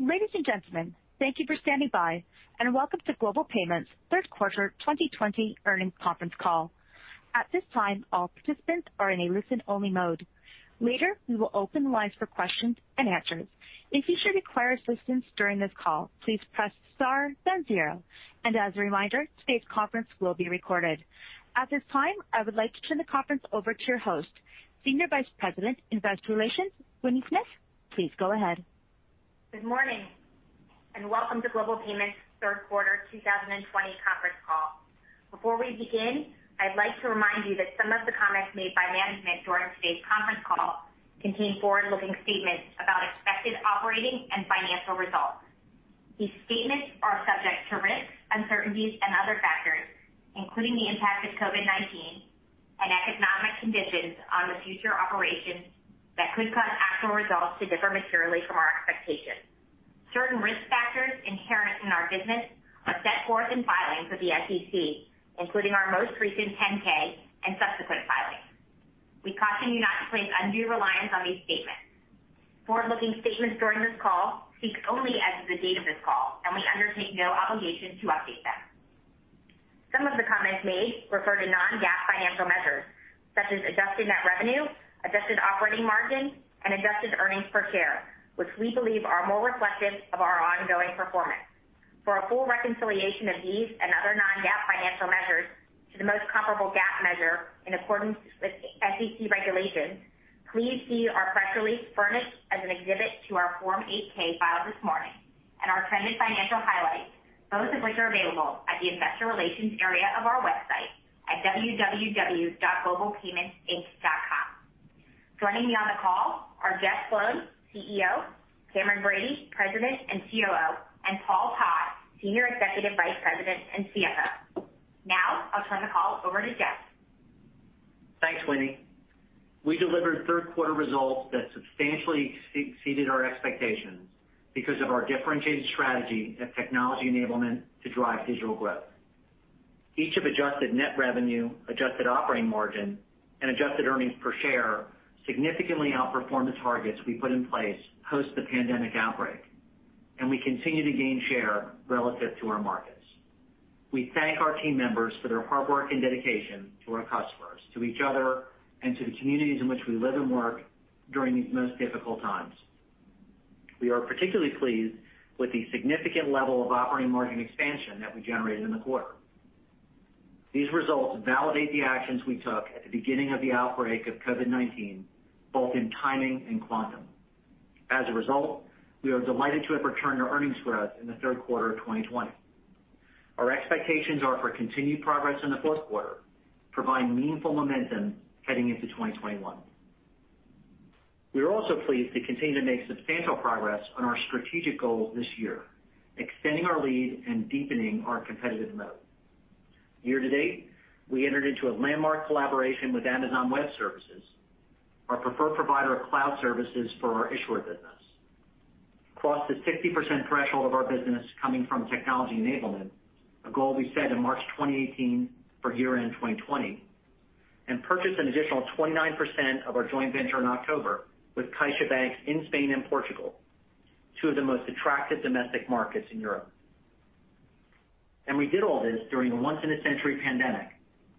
Ladies and gentlemen, thank you for standing by and welcome to Global Payments' third quarter 2020 earnings conference call. At this time, all participants are in a listen-only mode. Later, we will open lines for questions and answers. If you should require assistance during this call, please press star then zero. And as a reminder, today's conference will be recorded. At this time, I would like to turn the conference over to your host, Senior Vice President, Investor Relations, Winnie Smith. Please go ahead. Good morning, and welcome to Global Payments' third quarter 2020 conference call. Before we begin, I'd like to remind you that some of the comments made by management during today's conference call contain forward-looking statements about expected operating and financial results. These statements are subject to risks, uncertainties and other factors, including the impact of COVID-19 and economic conditions on the future operations that could cause actual results to differ materially from our expectations. Certain risk factors inherent in our business are set forth in filings with the SEC, including our most recent 10-K and subsequent filings. We caution you not to place undue reliance on these statements. Forward-looking statements during this call speak only as of the date of this call, and we undertake no obligation to update them. Some of the comments made refer to non-GAAP financial measures, such as adjusted net revenue, adjusted operating margin, and adjusted earnings per share, which we believe are more reflective of our ongoing performance. For a full reconciliation of these and other non-GAAP financial measures to the most comparable GAAP measure in accordance with SEC regulations, please see our press release furnished as an exhibit to our Form 8-K filed this morning, and our trended financial highlights, both of which are available at the Investor Relations area of our website at www.globalpaymentsinc.com. Joining me on the call are Jeff Sloan, CEO, Cameron Bready, President and COO, and Paul Todd, Senior Executive Vice President and CFO. Now I'll turn the call over to Jeff. Thanks, Winnie. We delivered third quarter results that substantially exceeded our expectations because of our differentiated strategy and technology enablement to drive digital growth. Each of adjusted net revenue, adjusted operating margin, and adjusted earnings per share significantly outperformed the targets we put in place post the pandemic outbreak. We continue to gain share relative to our markets. We thank our team members for their hard work and dedication to our customers, to each other, and to the communities in which we live and work during these most difficult times. We are particularly pleased with the significant level of operating margin expansion that we generated in the quarter. These results validate the actions we took at the beginning of the outbreak of COVID-19, both in timing and quantum. As a result, we are delighted to have returned to earnings growth in the third quarter of 2020. Our expectations are for continued progress in the fourth quarter, providing meaningful momentum heading into 2021. We are also pleased to continue to make substantial progress on our strategic goals this year, extending our lead and deepening our competitive moat. Year-to-date, we entered into a landmark collaboration with Amazon Web Services, our preferred provider of cloud services for our issuer business, crossed the 60% threshold of our business coming from technology enablement, a goal we set in March 2018 for year-end 2020, and purchased an additional 29% of our joint venture in October with CaixaBank in Spain and Portugal, two of the most attractive domestic markets in Europe. We did all this during a once-in-a-century pandemic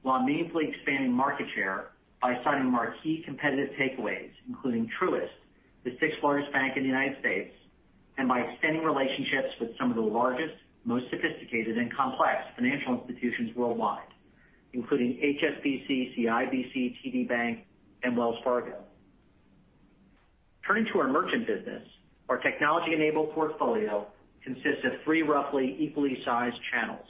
while meaningfully expanding market share by signing marquee competitive takeaways, including Truist, the sixth-largest bank in the United States, and by extending relationships with some of the largest, most sophisticated, and complex financial institutions worldwide, including HSBC, CIBC, TD Bank, and Wells Fargo. Turning to our merchant business, our technology-enabled portfolio consists of three roughly equally sized channels.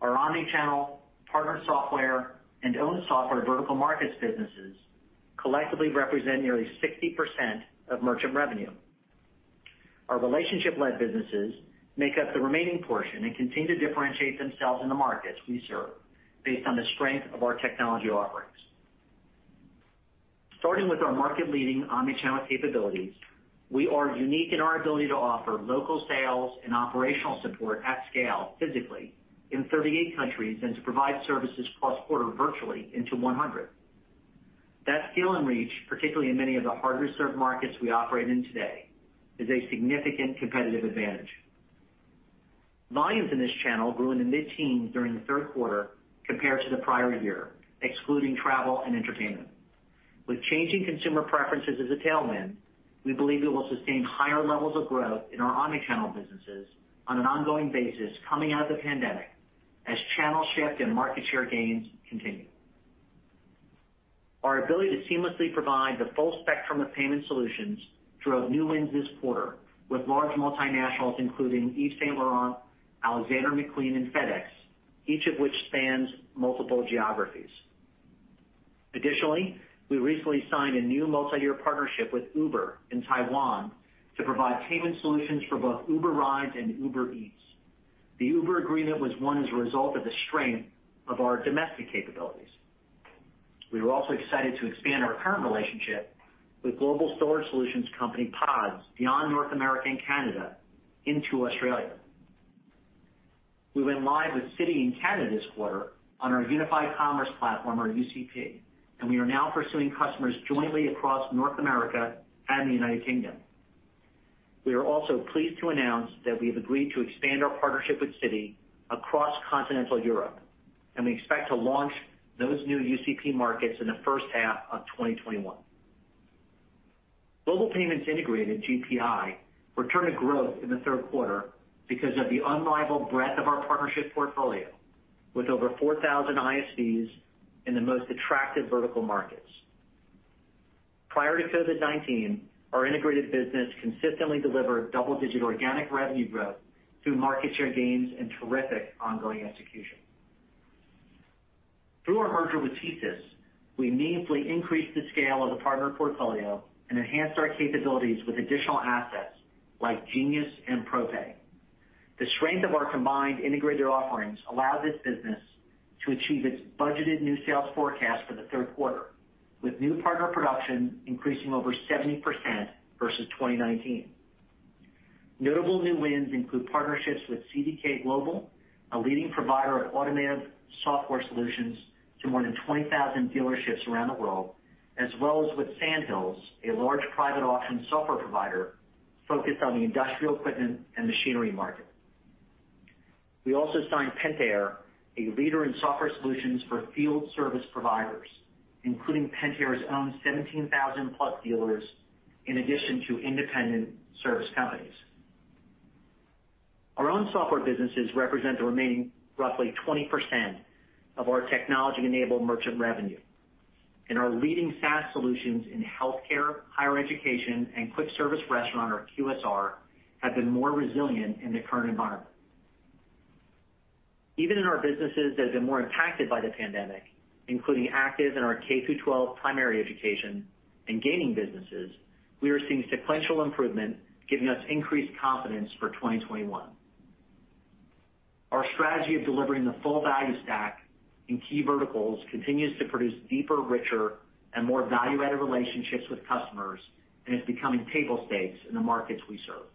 Our omni-channel partnered software and owned software vertical markets businesses collectively represent nearly 60% of merchant revenue. Our relationship-led businesses make up the remaining portion and continue to differentiate themselves in the markets we serve based on the strength of our technology offerings. Starting with our market-leading omni-channel capabilities, we are unique in our ability to offer local sales and operational support at scale physically in 38 countries and to provide services cross-border virtually into 100. That scale and reach, particularly in many of the harder-served markets we operate in today, is a significant competitive advantage. Volumes in this channel grew in the mid-teens during the third quarter compared to the prior year, excluding travel and entertainment. With changing consumer preferences as a tailwind, we believe we will sustain higher levels of growth in our omni-channel businesses on an ongoing basis coming out of the pandemic as channel shift and market share gains continue. Our ability to seamlessly provide the full spectrum of payment solutions drove new wins this quarter with large multinationals including Yves Saint Laurent, Alexander McQueen and FedEx, each of which spans multiple geographies. Additionally, we recently signed a new multi-year partnership with Uber in Taiwan to provide payment solutions for both Uber Rides and Uber Eats. The Uber agreement was won as a result of the strength of our domestic capabilities. We were also excited to expand our current relationship with global storage solutions company PODS beyond North America and Canada into Australia. We went live with Citi in Canada this quarter on our unified commerce platform, our UCP, and we are now pursuing customers jointly across North America and the U.K. We are also pleased to announce that we have agreed to expand our partnership with Citi across continental Europe. We expect to launch those new UCP markets in the first half of 2021. Global Payments Integrated, GPI, returned to growth in the third quarter because of the unrivaled breadth of our partnership portfolio, with over 4,000 ISVs in the most attractive vertical markets. Prior to COVID-19, our integrated business consistently delivered double-digit organic revenue growth through market share gains and terrific ongoing execution. Through our merger with TSYS, we meaningfully increased the scale of the partner portfolio and enhanced our capabilities with additional assets like Genius and ProPay. The strength of our combined integrated offerings allowed this business to achieve its budgeted new sales forecast for the third quarter, with new partner production increasing over 70% versus 2019. Notable new wins include partnerships with CDK Global, a leading provider of automotive software solutions to more than 20,000 dealerships around the world, as well as with Sandhills, a large private auction software provider focused on the industrial equipment and machinery market. We also signed Pentair, a leader in software solutions for field service providers, including Pentair's own 17,000+ dealers, in addition to independent service companies. Our own software businesses represent the remaining roughly 20% of our technology-enabled merchant revenue. Our leading SaaS solutions in healthcare, higher education, and quick service restaurant, or QSR, have been more resilient in the current environment. Even in our businesses that have been more impacted by the pandemic, including ACTIVE Network and our K-12 primary education and gaming businesses, we are seeing sequential improvement, giving us increased confidence for 2021. Our strategy of delivering the full value stack in key verticals continues to produce deeper, richer, and more value-added relationships with customers and is becoming table stakes in the markets we serve.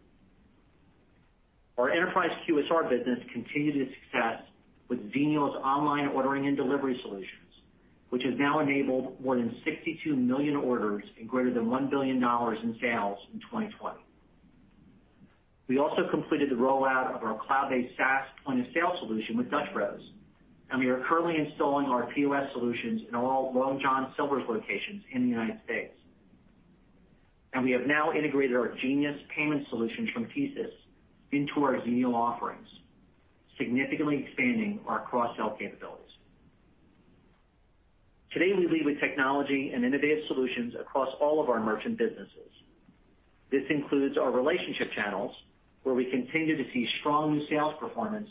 Our enterprise QSR business continued its success with Xenial's online ordering and delivery solutions, which has now enabled more than 62 million orders and greater than $1 billion in sales in 2020. We also completed the rollout of our cloud-based SaaS point-of-sale solution with Dutch Bros. We are currently installing our POS solutions in all Long John Silver's locations in the U.S. We have now integrated our Genius payment solutions from TSYS into our Xenial offerings, significantly expanding our cross-sell capabilities. Today, we lead with technology and innovative solutions across all of our merchant businesses. This includes our relationship channels, where we continue to see strong new sales performance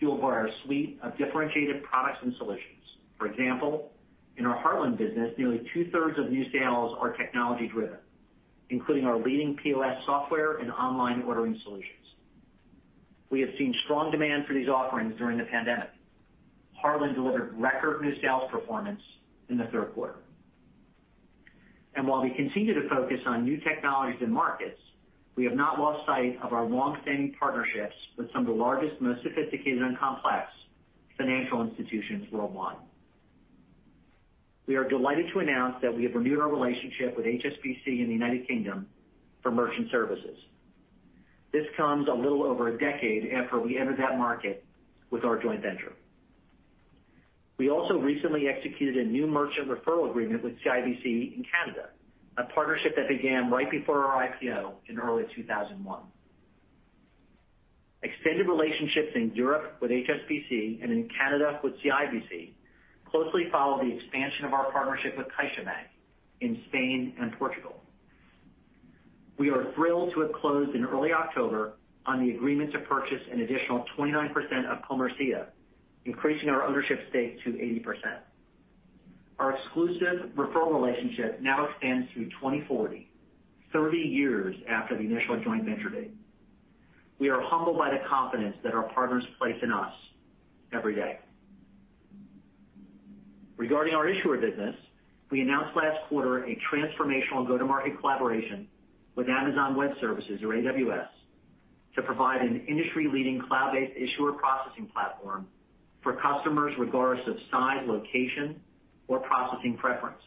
fueled by our suite of differentiated products and solutions. For example, in our Heartland business, nearly 2/3 of new sales are technology-driven, including our leading POS software and online ordering solutions. We have seen strong demand for these offerings during the pandemic. Heartland delivered record new sales performance in the third quarter. While we continue to focus on new technologies and markets, we have not lost sight of our longstanding partnerships with some of the largest, most sophisticated and complex financial institutions worldwide. We are delighted to announce that we have renewed our relationship with HSBC in the United Kingdom for merchant services. This comes a little over a decade after we entered that market with our joint venture. We also recently executed a new merchant referral agreement with CIBC in Canada, a partnership that began right before our IPO in early 2001. Extended relationships in Europe with HSBC and in Canada with CIBC closely follow the expansion of our partnership with CaixaBank in Spain and Portugal. We are thrilled to have closed in early October on the agreement to purchase an additional 29% of Comercia, increasing our ownership stake to 80%. Our exclusive referral relationship now extends through 2040, 30 years after the initial joint venture date. We are humbled by the confidence that our partners place in us every day. Regarding our issuer business, we announced last quarter a transformational go-to-market collaboration with Amazon Web Services, or AWS, to provide an industry-leading cloud-based issuer processing platform for customers regardless of size, location, or processing preference.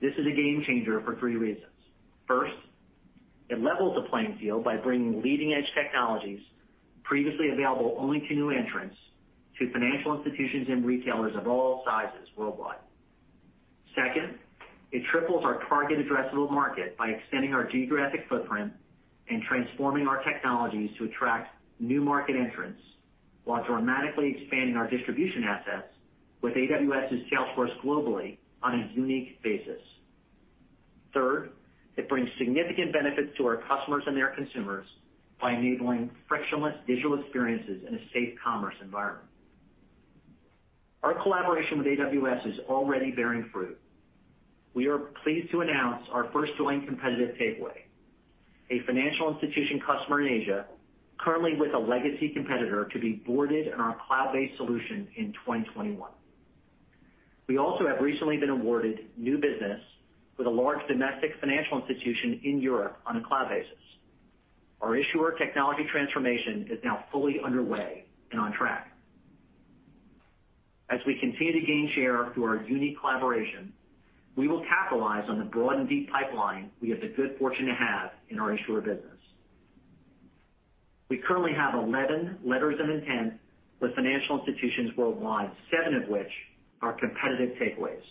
This is a game changer for three reasons. First, it levels the playing field by bringing leading-edge technologies previously available only to new entrants to financial institutions and retailers of all sizes worldwide. Second, it triples our target addressable market by extending our geographic footprint and transforming our technologies to attract new market entrants while dramatically expanding our distribution assets with AWS's sales force globally on a unique basis. Third, it brings significant benefits to our customers and their consumers by enabling frictionless digital experiences in a safe commerce environment. Our collaboration with AWS is already bearing fruit. We are pleased to announce our first joint competitive takeaway, a financial institution customer in Asia, currently with a legacy competitor, to be boarded on our cloud-based solution in 2021. We also have recently been awarded new business with a large domestic financial institution in Europe on a cloud basis. Our issuer technology transformation is now fully underway and on track. As we continue to gain share through our unique collaboration, we will capitalize on the broad and deep pipeline we have the good fortune to have in our issuer business. We currently have 11 letters of intent with financial institutions worldwide, seven of which are competitive takeaways.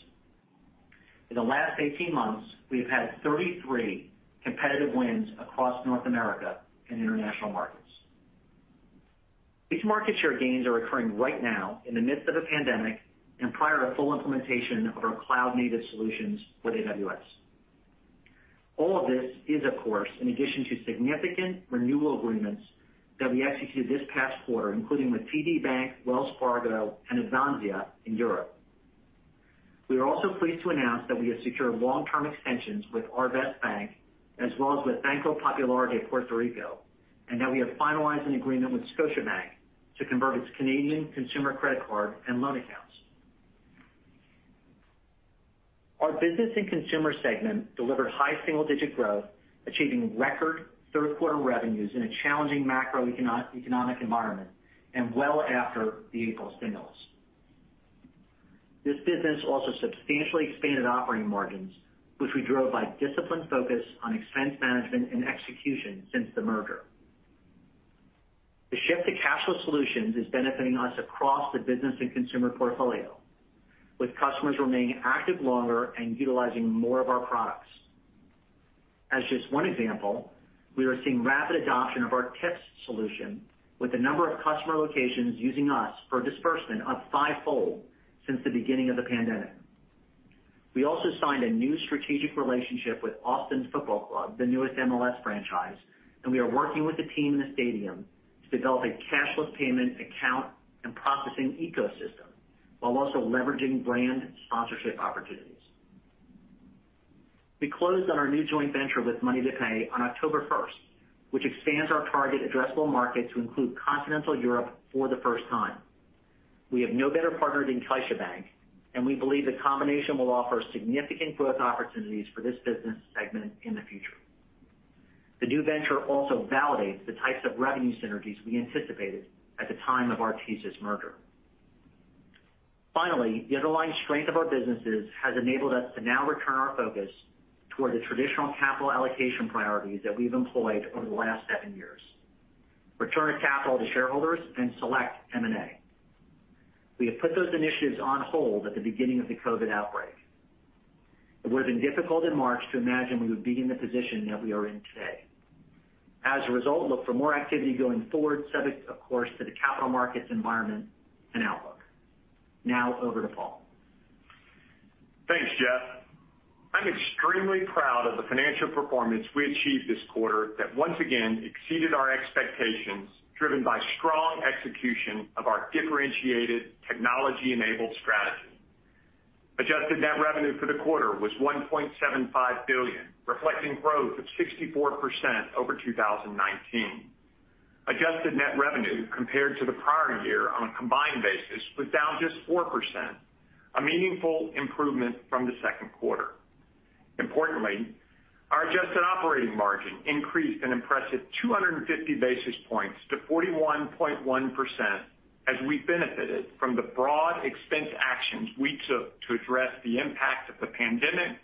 In the last 18 months, we've had 33 competitive wins across North America and international markets. These market share gains are occurring right now in the midst of the pandemic and prior to full implementation of our cloud-native solutions with AWS. All of this is, of course, in addition to significant renewal agreements that we executed this past quarter, including with TD Bank, Wells Fargo, and Advanzia in Europe. We are also pleased to announce that we have secured long-term extensions with Arvest Bank, as well as with Banco Popular de Puerto Rico, and that we have finalized an agreement with Scotiabank to convert its Canadian consumer credit card and loan accounts. Our business and consumer segment delivered high single-digit growth, achieving record third-quarter revenues in a challenging macroeconomic environment and well after the April stimulus. This business also substantially expanded operating margins, which we drove by disciplined focus on expense management and execution since the merger. The shift to cashless solutions is benefiting us across the business and consumer portfolio, with customers remaining active longer and utilizing more of our products. As just one example, we are seeing rapid adoption of our TIPS solution with the number of customer locations using us for disbursement up fivefold since the beginning of the pandemic. We also signed a new strategic relationship with Austin FC, the newest MLS franchise, and we are working with the team and the stadium to develop a cashless payment account and processing ecosystem while also leveraging brand sponsorship opportunities. We closed on our new joint venture with MoneyToPay on October first, which expands our target addressable market to include continental Europe for the first time. We have no better partner than CaixaBank, and we believe the combination will offer significant growth opportunities for this business segment in the future. The new venture also validates the types of revenue synergies we anticipated at the time of our TSYS merger. Finally, the underlying strength of our businesses has enabled us to now return our focus toward the traditional capital allocation priorities that we've employed over the last seven years: return of capital to shareholders and select M&A. We have put those initiatives on hold at the beginning of the COVID outbreak. It would have been difficult in March to imagine we would be in the position that we are in today. As a result, look for more activity going forward, subject, of course, to the capital markets environment and outlook. Now over to Paul. Thanks, Jeff. I'm extremely proud of the financial performance we achieved this quarter that once again exceeded our expectations, driven by strong execution of our differentiated technology-enabled strategy. Adjusted net revenue for the quarter was $1.75 billion, reflecting growth of 64% over 2019. Adjusted net revenue compared to the prior year on a combined basis was down just 4%, a meaningful improvement from the second quarter. Importantly, our adjusted operating margin increased an impressive 250 basis points to 41.1% as we benefited from the broad expense actions we took to address the impact of the pandemic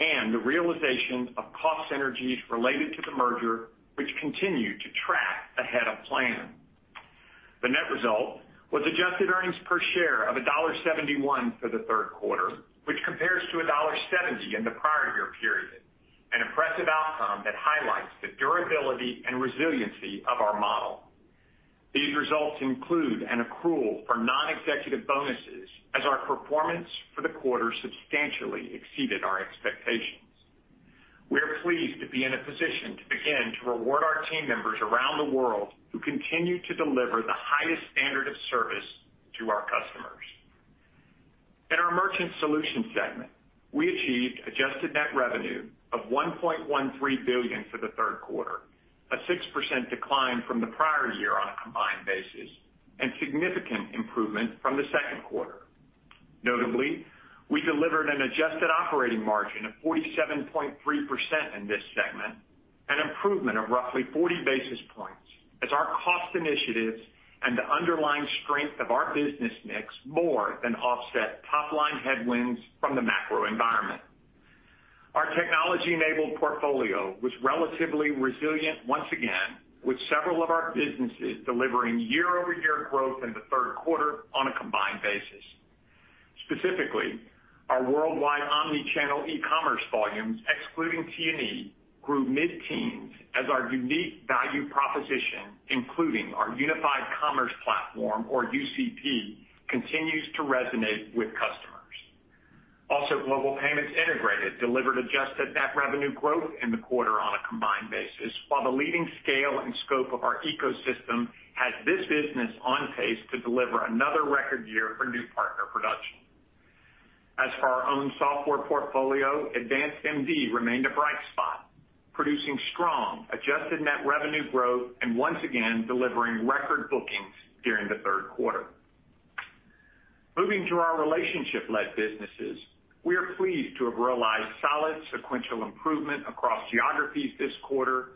and the realization of cost synergies related to the merger, which continue to track ahead of plan. The net result was adjusted earnings per share of $1.71 for the third quarter, which compares to $1.70 in the prior year period, an impressive outcome that highlights the durability and resiliency of our model. These results include an accrual for non-executive bonuses as our performance for the quarter substantially exceeded our expectations. We are pleased to be in a position to begin to reward our team members around the world who continue to deliver the highest standard of service to our customers. In our Merchant Solutions segment, we achieved adjusted net revenue of $1.13 billion for the third quarter, a 6% decline from the prior year on a combined basis, and significant improvement from the second quarter. Notably, we delivered an adjusted operating margin of 47.3% in this segment, an improvement of roughly 40 basis points as our cost initiatives and the underlying strength of our business mix more than offset top-line headwinds from the macro environment. Our technology-enabled portfolio was relatively resilient once again, with several of our businesses delivering year-over-year growth in the third quarter on a combined basis. Specifically, our worldwide omni-channel e-commerce volumes, excluding T&E, grew mid-teens as our unique value proposition, including our unified commerce platform, or UCP, continues to resonate with customers. Global Payments Integrated delivered adjusted net revenue growth in the quarter on a combined basis, while the leading scale and scope of our ecosystem has this business on pace to deliver another record year for new partner production. As for our own software portfolio, AdvancedMD remained a bright spot, producing strong adjusted net revenue growth and once again delivering record bookings during the third quarter. Moving to our relationship-led businesses, we are pleased to have realized solid sequential improvement across geographies this quarter,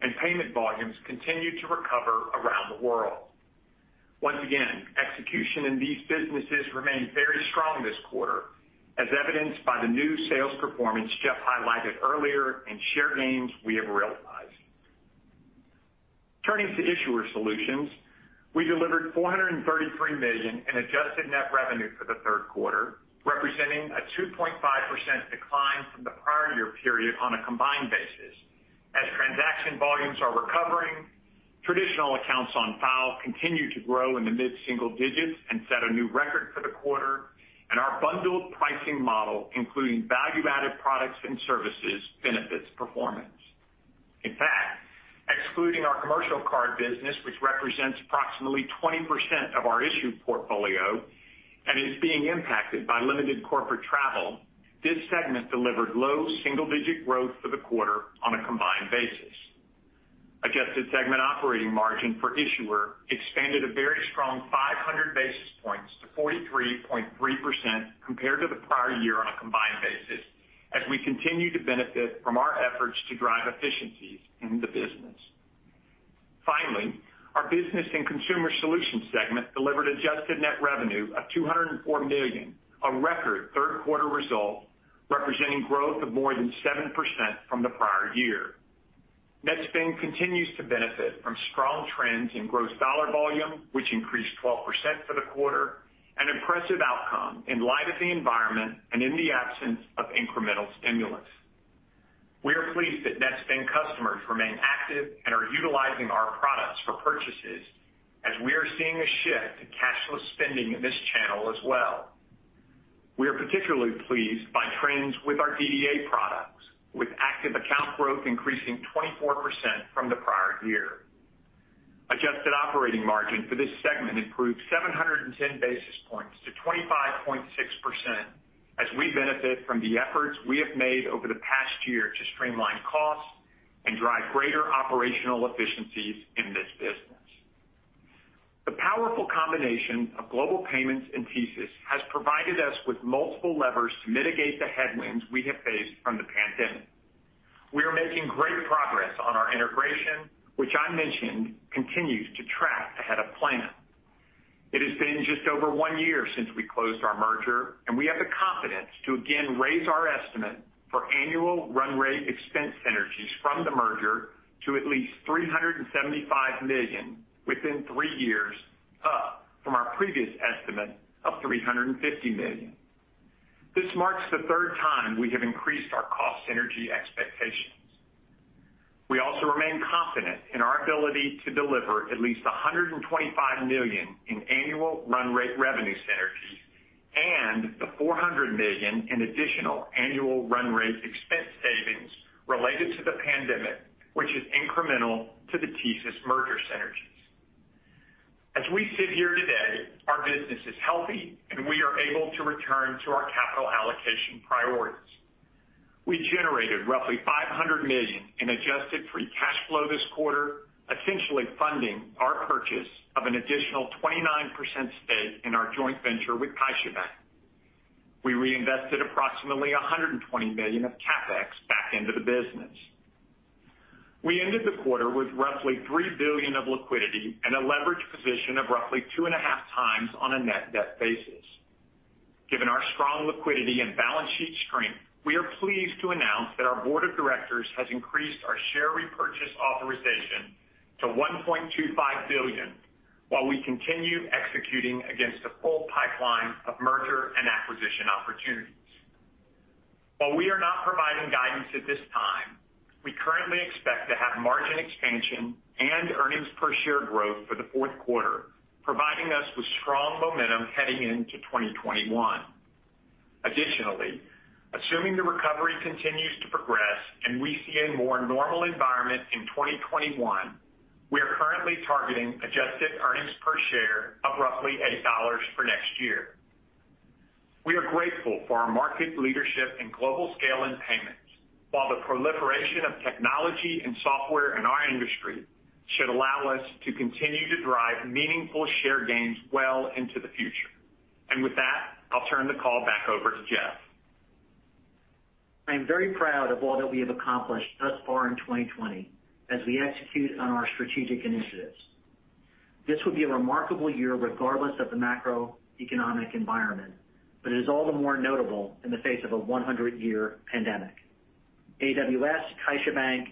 and payment volumes continue to recover around the world. Once again, execution in these businesses remained very strong this quarter, as evidenced by the new sales performance Jeff highlighted earlier and share gains we have realized. Turning to issuer solutions, we delivered $433 million in adjusted net revenue for the third quarter, representing a 2.5% decline from the prior year period on a combined basis. As transaction volumes are recovering, traditional accounts on file continue to grow in the mid-single digits and set a new record for the quarter, and our bundled pricing model, including value-added products and services, benefits performance. In fact, excluding our commercial card business, which represents approximately 20% of our issued portfolio and is being impacted by limited corporate travel, this segment delivered low double-digit growth for the quarter on a combined basis. Adjusted segment operating margin for issuer expanded a very strong 500 basis points to 43.3% compared to the prior year on a combined basis as we continue to benefit from our efforts to drive efficiencies in the business. Finally, our business and consumer solutions segment delivered adjusted net revenue of $204 million, a record third-quarter result representing growth of more than 7% from the prior year. Netspend continues to benefit from strong trends in gross dollar volume, which increased 12% for the quarter, an impressive outcome in light of the environment and in the absence of incremental stimulus. We are pleased that Netspend customers remain active and are utilizing our products for purchases as we are seeing a shift to cashless spending in this channel as well. We are particularly pleased by trends with our DDA products, with active account growth increasing 24% from the prior year. Adjusted operating margin for this segment improved 710 basis points to 25.6% as we benefit from the efforts we have made over the past year to streamline costs and drive greater operational efficiencies in this business. The powerful combination of Global Payments and TSYS has provided us with multiple levers to mitigate the headwinds we have faced from the pandemic. We are making great progress on our integration, which I mentioned continues to track ahead of plan. It has been just over one year since we closed our merger. We have the confidence to again raise our estimate for annual run rate expense synergies from the merger to at least $375 million within three years, up from our previous estimate of $350 million. This marks the third time we have increased our cost synergy expectations. We also remain confident in our ability to deliver at least $125 million in annual run rate revenue synergies and the $400 million in additional annual run rate expense savings related to the pandemic, which is incremental to the TSYS merger synergies. As we sit here today, our business is healthy, and we are able to return to our capital allocation priorities. We generated roughly $500 million in adjusted free cash flow this quarter, essentially funding our purchase of an additional 29% stake in our joint venture with CaixaBank. We reinvested approximately $120 million of CapEx back into the business. We ended the quarter with roughly $3 billion of liquidity and a leverage position of roughly two and a half times on a net debt basis. Given our strong liquidity and balance sheet strength, we are pleased to announce that our board of directors has increased our share repurchase authorization to $1.25 billion while we continue executing against a full pipeline of merger and acquisition opportunities. While we are not providing guidance at this time, we currently expect to have margin expansion and earnings per share growth for the fourth quarter, providing us with strong momentum heading into 2021. Additionally, assuming the recovery continues to progress and we see a more normal environment in 2021, we are currently targeting adjusted earnings per share of roughly $8 for next year. We are grateful for our market leadership and global scale in payments, while the proliferation of technology and software in our industry should allow us to continue to drive meaningful share gains well into the future. With that, I'll turn the call back over to Jeff. I am very proud of all that we have accomplished thus far in 2020 as we execute on our strategic initiatives. This would be a remarkable year regardless of the macroeconomic environment, but it is all the more notable in the face of a 100-year pandemic. AWS, CaixaBank,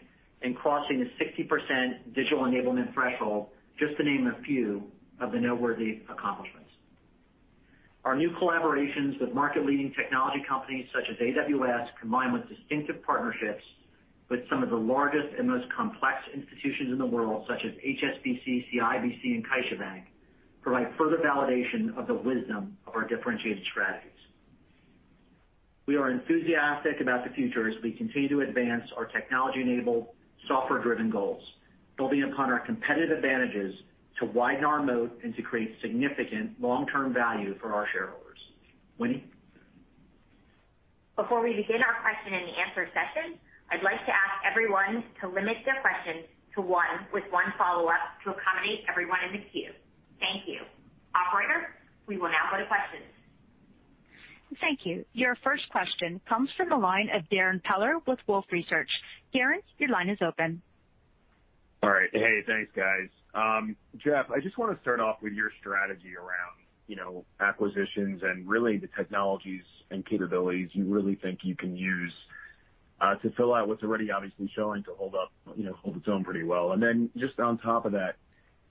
and crossing the 60% digital enablement threshold, just to name a few of the noteworthy accomplishments. Our new collaborations with market-leading technology companies such as AWS, combined with distinctive partnerships with some of the largest and most complex institutions in the world, such as HSBC, CIBC, and CaixaBank, provide further validation of the wisdom of our differentiated strategies. We are enthusiastic about the future as we continue to advance our technology-enabled, software-driven goals, building upon our competitive advantages to widen our moat and to create significant long-term value for our shareholders. Winnie? Before we begin our question-and-answer session, I'd like to ask everyone to limit their questions to one with one follow-up to accommodate everyone in the queue. Thank you. Operator, we will now go to questions. Thank you. Your first question comes from the line of Darrin Peller with Wolfe Research. Darrin, your line is open. All right. Hey, thanks, guys. Jeff, I just want to start off with your strategy around acquisitions and really the technologies and capabilities you really think you can use to fill out what's already obviously showing to hold its own pretty well. Then just on top of that,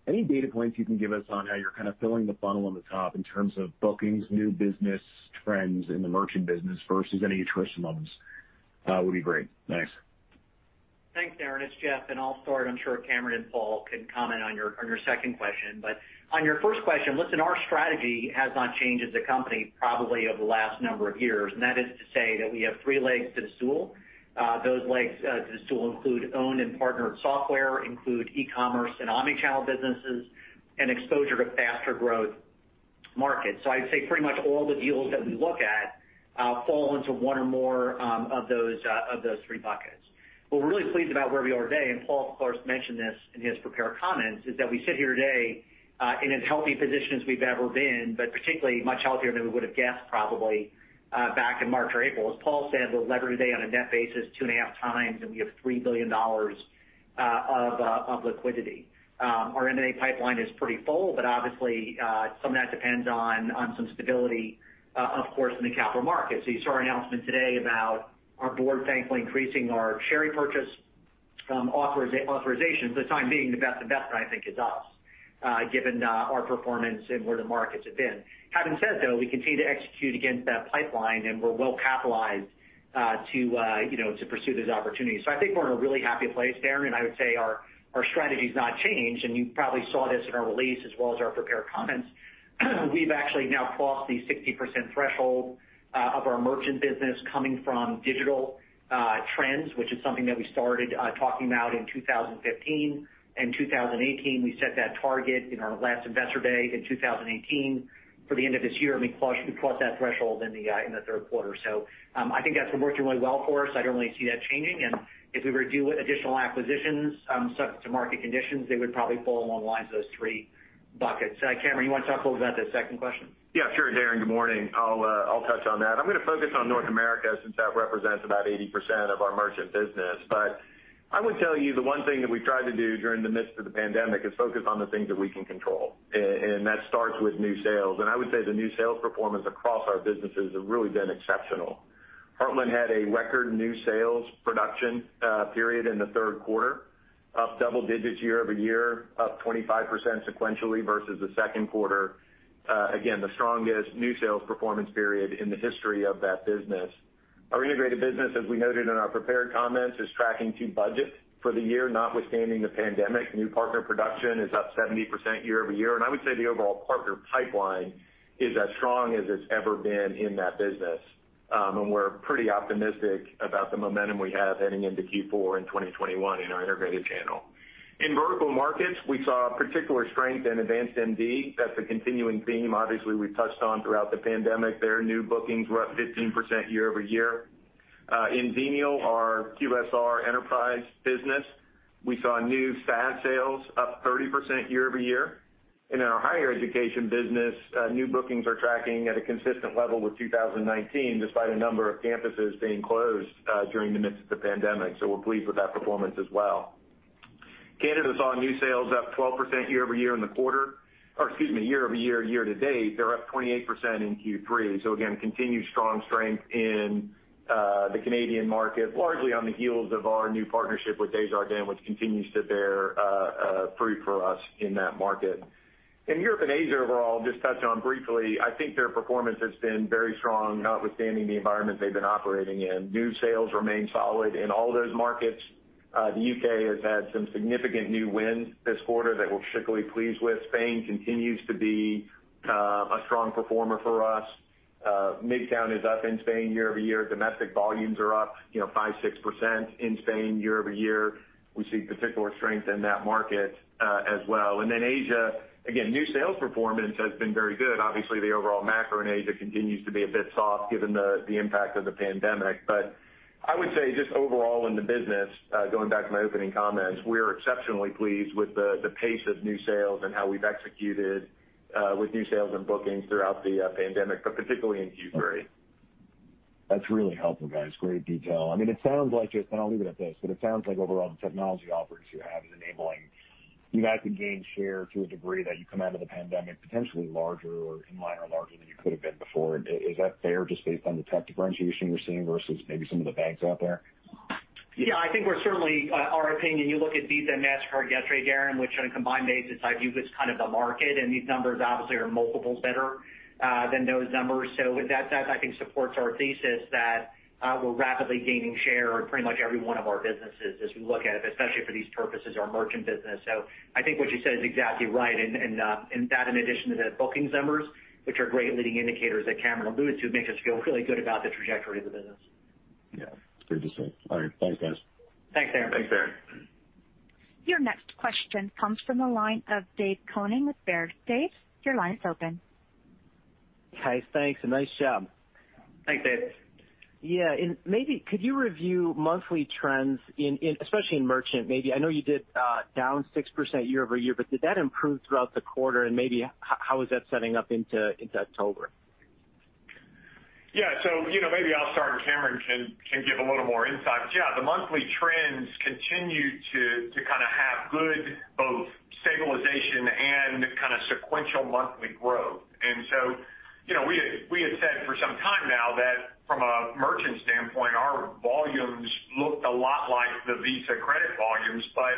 any data points you can give us on how you're kind of filling the funnel on the top in terms of bookings, new business trends in the merchant business versus any attrition levels would be great. Thanks. Thanks, Darrin. It's Jeff. I'll start. I'm sure Cameron and Paul can comment on your second question. On your first question, listen, our strategy has not changed as a company probably over the last number of years, and that is to say that we have three legs to the stool. Those legs to the stool include owned and partnered software, include e-commerce and omnichannel businesses, and exposure to faster growth markets. I'd say pretty much all the deals that we look at fall into one or more of those three buckets. What we're really pleased about where we are today, and Paul, of course, mentioned this in his prepared comments, is that we sit here today in as healthy position as we've ever been, but particularly much healthier than we would've guessed probably back in March or April. As Paul said, we're levered today on a net basis 2.5x, and we have $3 billion of liquidity. Our M&A pipeline is pretty full, but obviously, some of that depends on some stability, of course, in the capital markets. You saw our announcement today about our board thankfully increasing our share purchase from authorizations. The time being, the best investor, I think, is us given our performance and where the markets have been. Having said though, we continue to execute against that pipeline, and we're well capitalized to pursue those opportunities. I think we're in a really happy place, Darrin, and I would say our strategy's not changed, and you probably saw this in our release as well as our prepared comments. We've actually now crossed the 60% threshold of our merchant business coming from digital trends, which is something that we started talking about in 2015. In 2018, we set that target in our last Investor Day in 2018 for the end of this year, and we crossed that threshold in the third quarter. I think that's been working really well for us. I don't really see that changing, and if we were to do additional acquisitions, subject to market conditions, they would probably fall along the lines of those three buckets. Cameron, you want to talk a little about that second question? Yeah, sure, Darrin, good morning. I'll touch on that. I'm going to focus on North America since that represents about 80% of our merchant business. I would tell you the one thing that we've tried to do during the midst of the pandemic is focus on the things that we can control. That starts with new sales. I would say the new sales performance across our businesses have really been exceptional. Heartland had a record new sales production period in the third quarter, up double digits year-over-year, up 25% sequentially versus the second quarter. Again, the strongest new sales performance period in the history of that business. Our integrated business, as we noted in our prepared comments, is tracking to budget for the year, notwithstanding the pandemic. New partner production is up 70% year-over-year, I would say the overall partner pipeline is as strong as it's ever been in that business. We're pretty optimistic about the momentum we have heading into Q4 and 2021 in our integrated channel. In vertical markets, we saw particular strength in AdvancedMD. That's a continuing theme. Obviously, we've touched on throughout the pandemic. There, new bookings were up 15% year-over-year. In Xenial, our QSR enterprise business, we saw new SaaS sales up 30% year-over-year. In our higher education business, new bookings are tracking at a consistent level with 2019, despite a number of campuses being closed during the midst of the pandemic. We're pleased with that performance as well. Canada saw new sales up 12% year-over-year in the quarter, or excuse me, year-over-year, year-to-date. They're up 28% in Q3. Again, continued strong strength in the Canadian market, largely on the heels of our new partnership with Desjardins, which continues to bear fruit for us in that market. In Europe and Asia overall, just touch on briefly, I think their performance has been very strong, notwithstanding the environment they've been operating in. New sales remain solid in all those markets. The U.K. has had some significant new wins this quarter that we're particularly pleased with. Spain continues to be a strong performer for us. [Midtown] is up in Spain year-over-year. Domestic volumes are up 5%-6% in Spain year-over-year. We see particular strength in that market as well. Asia, again, new sales performance has been very good. Obviously, the overall macro in Asia continues to be a bit soft given the impact of the pandemic. I would say just overall in the business, going back to my opening comments, we are exceptionally pleased with the pace of new sales and how we've executed with new sales and bookings throughout the pandemic, but particularly in Q3. That's really helpful, guys. Great detail. I'll leave it at this. It sounds like overall the technology offerings you have is enabling you guys to gain share to a degree that you come out of the pandemic potentially larger or in line or larger than you could have been before. Is that fair, just based on the tech differentiation you're seeing versus maybe some of the banks out there? Yeah, I think our opinion, you look at Visa and Mastercard yesterday, Darrin, which on a combined basis, I view as kind of the market, and these numbers obviously are multiples better than those numbers. That I think supports our thesis that we're rapidly gaining share in pretty much every one of our businesses as we look at it, especially for these purposes, our merchant business. I think what you said is exactly right, and that in addition to the bookings numbers, which are great leading indicators that Cameron alluded to, makes us feel really good about the trajectory of the business. Yeah. Great to see. All right. Thanks, guys. Thanks, Darrin. Thanks, Darrin. Your next question comes from the line of Dave Koning with Baird. Dave, your line is open. Hey, thanks, and nice job. Thanks, Dave. Yeah. Could you review monthly trends especially in merchant? I know you did down 6% year-over-year, but did that improve throughout the quarter? Maybe how is that setting up into October? Yeah. Maybe I'll start and Cameron can give a little more insight. Yeah, the monthly trends continue to kind of have good both stabilization and kind of sequential monthly growth. We had said for some time now that from a merchant standpoint, our volumes looked a lot like the Visa credit volumes, but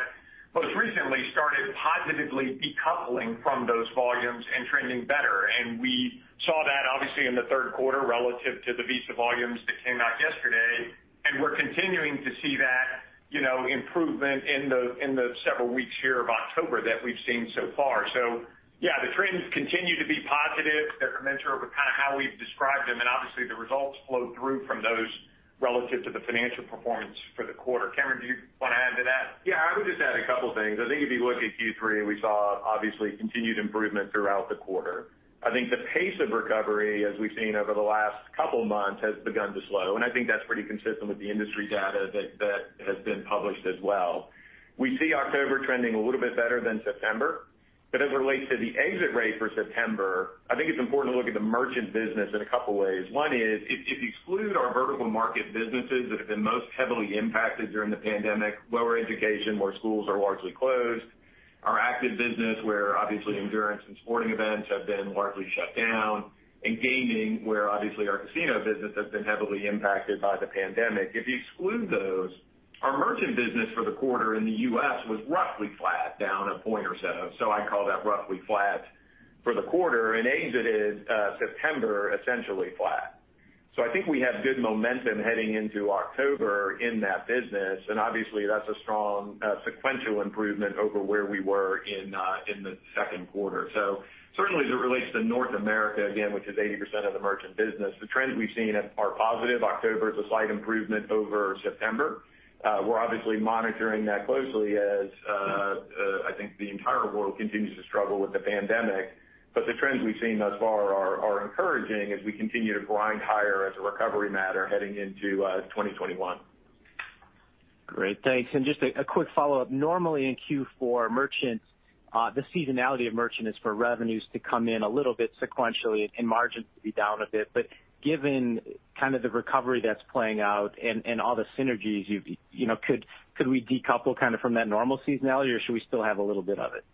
most recently started positively decoupling from those volumes and trending better. We saw that obviously in the third quarter relative to the Visa volumes that came out yesterday. We're continuing to see that improvement in the several weeks here of October that we've seen so far. Yeah, the trends continue to be positive. They're commensurate with kind of how we've described them and obviously the results flow through from those relative to the financial performance for the quarter. Cameron, do you want to add to that? Yeah. I would just add a couple things. I think if you look at Q3, we saw obviously continued improvement throughout the quarter. I think the pace of recovery, as we've seen over the last couple months, has begun to slow, and I think that's pretty consistent with the industry data that has been published as well. We see October trending a little bit better than September. As it relates to the exit rate for September, I think it's important to look at the merchant business in a couple ways. One is, if you exclude our vertical market businesses that have been most heavily impacted during the pandemic, lower education where schools are largely closed, our ACTIVE Network business where obviously endurance and sporting events have been largely shut down, and gaming, where obviously our casino business has been heavily impacted by the pandemic. If you exclude those, our merchant business for the quarter in the U.S. was roughly flat down a point or so. I'd call that roughly flat for the quarter and exited September essentially flat. I think we have good momentum heading into October in that business, and obviously that's a strong sequential improvement over where we were in the second quarter. Certainly as it relates to North America, again, which is 80% of the merchant business, the trends we've seen are positive. October is a slight improvement over September. We're obviously monitoring that closely as I think the entire world continues to struggle with the pandemic. The trends we've seen thus far are encouraging as we continue to grind higher as a recovery matter heading into 2021. Great. Thanks. Just a quick follow-up. Normally in Q4, the seasonality of merchant is for revenues to come in a little bit sequentially and margins to be down a bit. Given kind of the recovery that's playing out and all the synergies, could we decouple kind of from that normal seasonality or should we still have a little bit of it?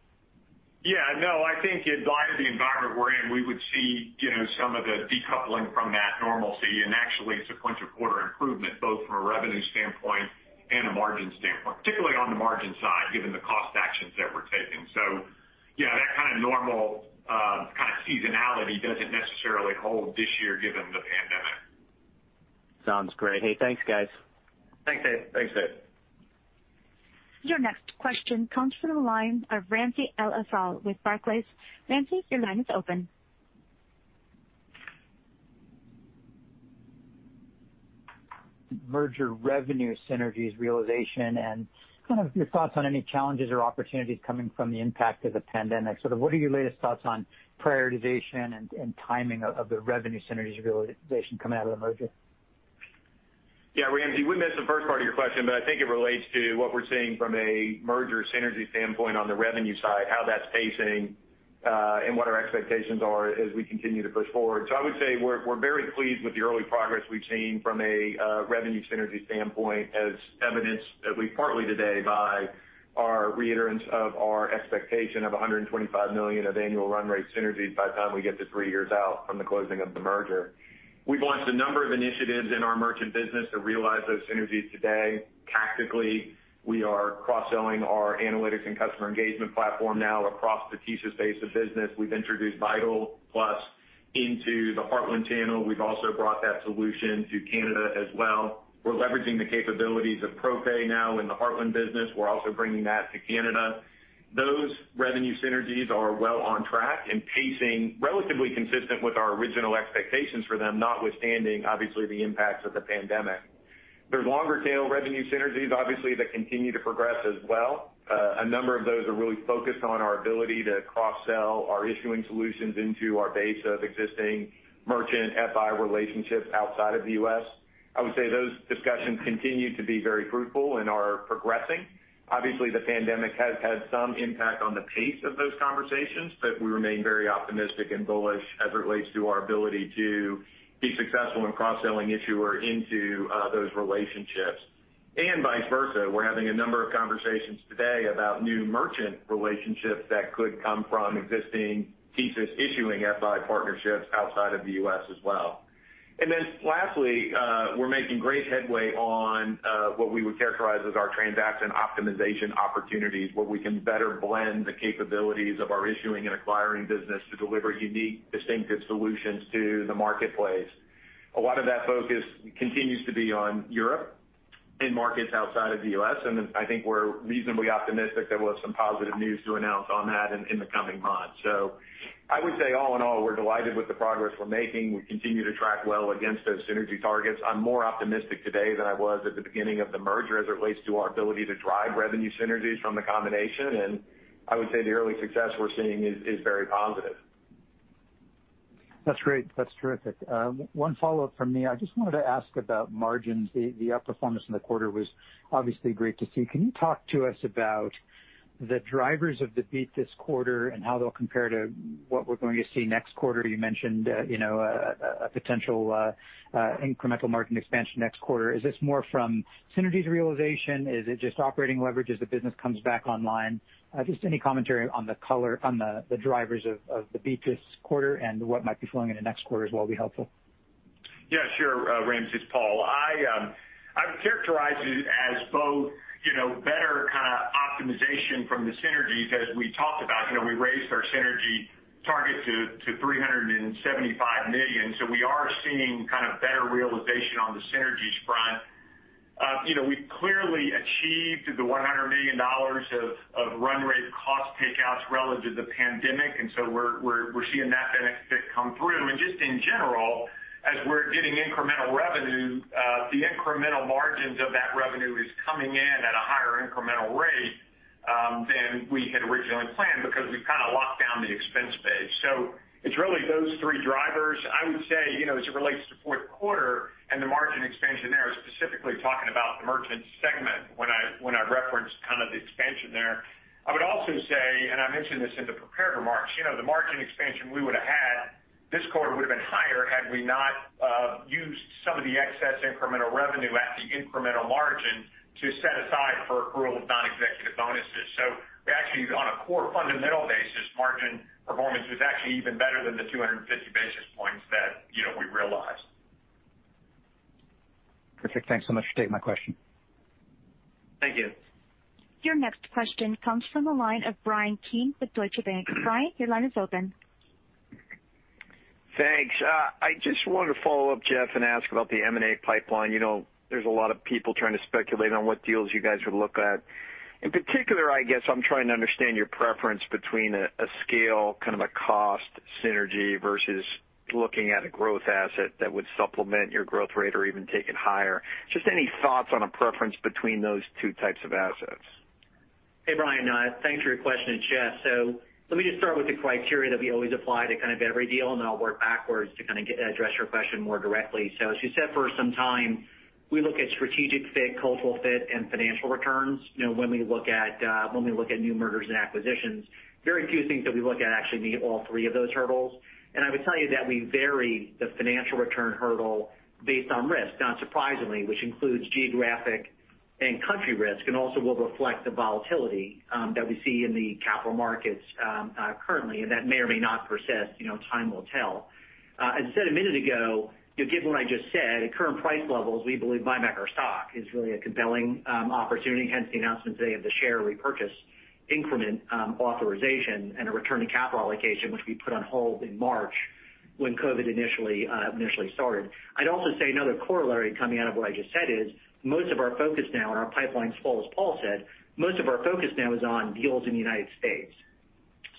Yeah. No, I think in light of the environment we're in, we would see some of the decoupling from that normalcy and actually sequential quarter improvement, both from a revenue standpoint and a margin standpoint, particularly on the margin side, given the cost actions that we're taking. Yeah, that kind of normal kind of seasonality doesn't necessarily hold this year given the pandemic. Sounds great. Hey, thanks, guys. Thanks, Dave. Thanks, Dave. Your next question comes from the line of Ramsey El-Assal with Barclays. Ramsey, your line is open. Merger revenue synergies realization, kind of your thoughts on any challenges or opportunities coming from the impact of the pandemic, what are your latest thoughts on prioritization and timing of the revenue synergies realization coming out of the merger? Yeah, Ramsey, we missed the first part of your question. I think it relates to what we're seeing from a merger synergy standpoint on the revenue side, how that's pacing, and what our expectations are as we continue to push forward. I would say we're very pleased with the early progress we've seen from a revenue synergy standpoint, as evidenced at least partly today by our reiterance of our expectation of $125 million of annual run rate synergies by the time we get to three years out from the closing of the merger. We've launched a number of initiatives in our merchant business to realize those synergies today. Tactically, we are cross-selling our analytics and customer engagement platform now across the TSYS base of business. We've introduced Vital POS into the Heartland channel. We've also brought that solution to Canada as well. We're leveraging the capabilities of ProPay now in the Heartland business. We're also bringing that to Canada. Those revenue synergies are well on track and pacing relatively consistent with our original expectations for them, notwithstanding, obviously, the impacts of the pandemic. There's longer tail revenue synergies, obviously, that continue to progress as well. A number of those are really focused on our ability to cross-sell our issuing solutions into our base of existing merchant FI relationships outside of the U.S. I would say those discussions continue to be very fruitful and are progressing. Obviously, the pandemic has had some impact on the pace of those conversations, but we remain very optimistic and bullish as it relates to our ability to be successful in cross-selling issuer into those relationships. Vice versa. We're having a number of conversations today about new merchant relationships that could come from existing TSYS issuing FI partnerships outside of the U.S. as well. Lastly, we're making great headway on what we would characterize as our transaction optimization opportunities, where we can better blend the capabilities of our issuing and acquiring business to deliver unique, distinctive solutions to the marketplace. A lot of that focus continues to be on Europe, in markets outside of the U.S., and I think we're reasonably optimistic there will be some positive news to announce on that in the coming months. I would say all in all, we're delighted with the progress we're making. We continue to track well against those synergy targets. I'm more optimistic today than I was at the beginning of the merger as it relates to our ability to drive revenue synergies from the combination, and I would say the early success we're seeing is very positive. That's great. That's terrific. One follow-up from me. I just wanted to ask about margins. The outperformance in the quarter was obviously great to see. Can you talk to us about the drivers of the beat this quarter, and how they'll compare to what we're going to see next quarter? You mentioned a potential incremental margin expansion next quarter. Is this more from synergies realization? Is it just operating leverage as the business comes back online? Just any commentary on the color on the drivers of the beat this quarter and what might be flowing into next quarter as well will be helpful. Yeah, sure, Ramsey. It's Paul. I would characterize it as both better kind of optimization from the synergies as we talked about. We raised our synergy target to $375 million. We are seeing kind of better realization on the synergies front. We've clearly achieved the $100 million of run rate cost takeouts relative to the pandemic. We're seeing that benefit come through. Just in general, as we're getting incremental revenue, the incremental margins of that revenue is coming in at a higher incremental rate than we had originally planned because we've kind of locked down the expense base. It's really those three drivers. I would say, as it relates to fourth quarter and the margin expansion there, specifically talking about the merchant segment when I referenced kind of the expansion there. I would also say, I mentioned this in the prepared remarks, the margin expansion we would've had this quarter would've been higher had we not used some of the excess incremental revenue at the incremental margin to set aside for accrual of non-executive bonuses. We actually, on a core fundamental basis, margin performance was actually even better than the 250 basis points that we realized. Perfect. Thanks so much. You take my question. Thank you. Your next question comes from the line of Bryan Keane with Deutsche Bank. Bryan, your line is open. Thanks. I just wanted to follow up Jeff and ask about the M&A pipeline. There's a lot of people trying to speculate on what deals you guys would look at. In particular, I guess I'm trying to understand your preference between a scale, kind of a cost synergy versus looking at a growth asset that would supplement your growth rate or even take it higher. Just any thoughts on a preference between those two types of assets. Hey, Bryan. Thanks for your question. It's Jeff. Let me just start with the criteria that we always apply to kind of every deal, and then I'll work backwards to kind of address your question more directly. As you said for some time, we look at strategic fit, cultural fit, and financial returns. When we look at new mergers and acquisitions, very few things that we look at actually meet all three of those hurdles. I would tell you that we vary the financial return hurdle based on risk, not surprisingly, which includes geographic and country risk, and also will reflect the volatility that we see in the capital markets currently and that may or may not persist. Time will tell. As I said a minute ago, given what I just said, at current price levels, we believe buying back our stock is really a compelling opportunity, hence the announcement today of the share repurchase increment authorization and a return to capital allocation, which we put on hold in March when COVID initially started. I'd also say another corollary coming out of what I just said is most of our focus now and our pipeline's full, as Paul said. Most of our focus now is on deals in the United States.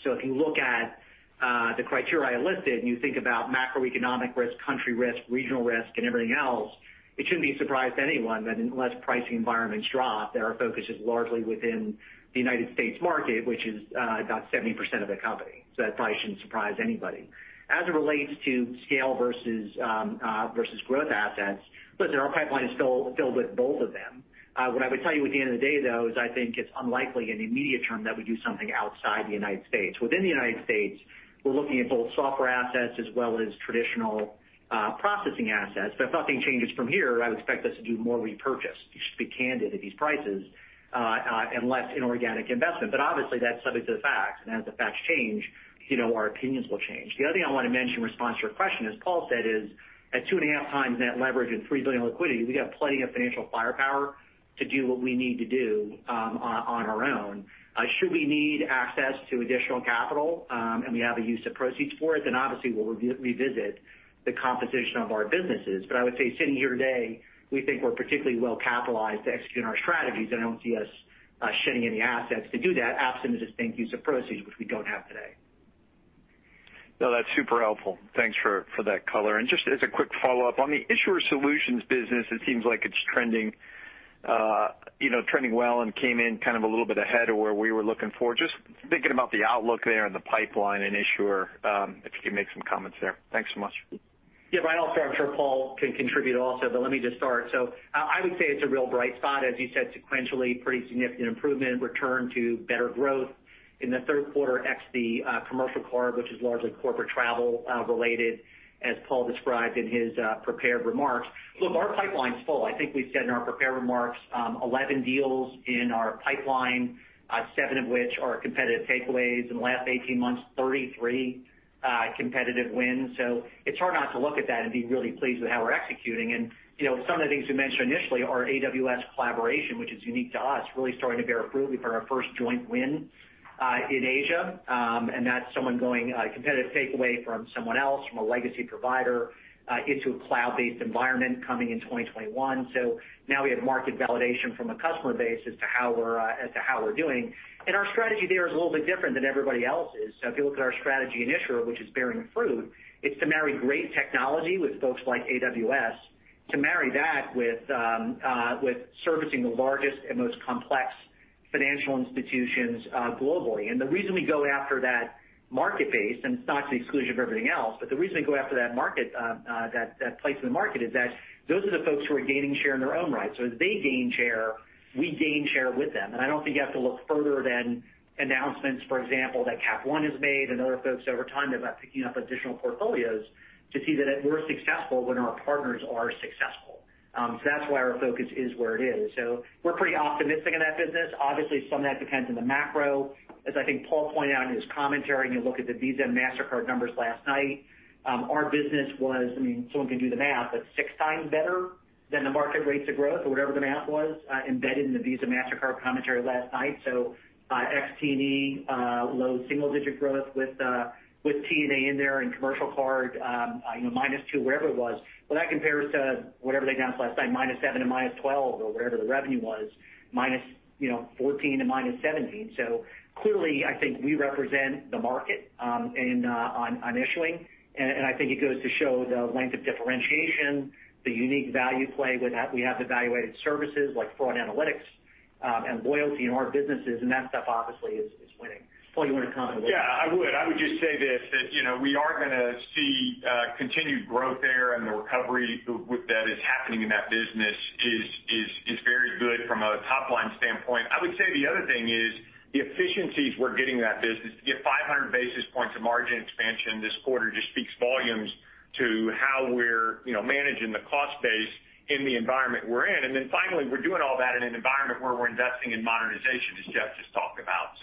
If you look at the criteria I listed, and you think about macroeconomic risk, country risk, regional risk, and everything else, it shouldn't be a surprise to anyone that unless pricing environments drop, that our focus is largely within the United States market, which is about 70% of the company. That probably shouldn't surprise anybody. As it relates to scale versus growth assets, listen, our pipeline is filled with both of them. What I would tell you at the end of the day, though, is I think it's unlikely in the immediate term that we do something outside the U.S. Within the U.S., we're looking at both software assets as well as traditional processing assets. If nothing changes from here, I would expect us to do more repurchase, just to be candid, at these prices, and less inorganic investment. Obviously, that's subject to the facts, and as the facts change, our opinions will change. The other thing I want to mention in response to your question, as Paul said, is at 2.5x net leverage and $3 billion liquidity, we have plenty of financial firepower to do what we need to do on our own. Should we need access to additional capital, and we have a use of proceeds for it, obviously we'll revisit the composition of our businesses. I would say sitting here today, we think we're particularly well-capitalized to execute on our strategies, and I don't see us shedding any assets to do that absent a distinct use of proceeds, which we don't have today. No, that's super helpful. Thanks for that color. Just as a quick follow-up. On the issuer solutions business, it seems like it's trending well and came in kind of a little bit ahead of where we were looking for. Just thinking about the outlook there and the pipeline in issuer, if you could make some comments there. Thanks so much. Bryan, also, I'm sure Paul can contribute also, let me just start. I would say it's a real bright spot. As you said, sequentially pretty significant improvement, return to better growth in the third quarter ex the commercial card, which is largely corporate travel related as Paul described in his prepared remarks. Our pipeline's full. We said in our prepared remarks 11 deals in our pipeline, seven of which are competitive takeaways. In the last 18 months, 33 competitive wins. It's hard not to look at that and be really pleased with how we're executing. Some of the things we mentioned initially, our AWS collaboration, which is unique to us, really starting to bear fruit. We've had our first joint win in Asia. That's someone gaining competitive takeaway from someone else, from a legacy provider into a cloud-based environment coming in 2021. Now we have market validation from a customer base as to how we're doing. Our strategy there is a little bit different than everybody else's. If you look at our strategy in issuer, which is bearing fruit, it's to marry great technology with folks like AWS, to marry that with servicing the largest and most complex financial institutions globally. The reason we go after that market base, and it's not to the exclusion of everything else, but the reason we go after that place in the market is that those are the folks who are gaining share in their own right. As they gain share, we gain share with them. I don't think you have to look further than announcements, for example, that Capital One has made and other folks over time about picking up additional portfolios to see that we're successful when our partners are successful. That's why our focus is where it is. We're pretty optimistic in that business. Obviously, some of that depends on the macro. As I think Paul pointed out in his commentary, when you look at the Visa and Mastercard numbers last night, our business was, someone can do the math, but 6x better than the market rates of growth or whatever the math was embedded in the Visa, Mastercard commentary last night. Ex-T&E, low single-digit growth with T&E in there and commercial card -2, wherever it was. That compares to whatever they announced last night, -7 to -12 or whatever the revenue was, -14 to -17. Clearly, I think we represent the market on issuing. I think it goes to show the length of differentiation, the unique value play with we have the value-added services like fraud analytics and loyalty in our businesses, and that stuff obviously is winning. Paul, you want to comment on that? Yeah, I would just say this, that we are going to see continued growth there and the recovery that is happening in that business is very good from a top-line standpoint. I would say the other thing is the efficiencies we're getting in that business. To get 500 basis points of margin expansion this quarter just speaks volumes to how we're managing the cost base in the environment we're in. Finally, we're doing all that in an environment where we're investing in modernization, as Jeff just talked about.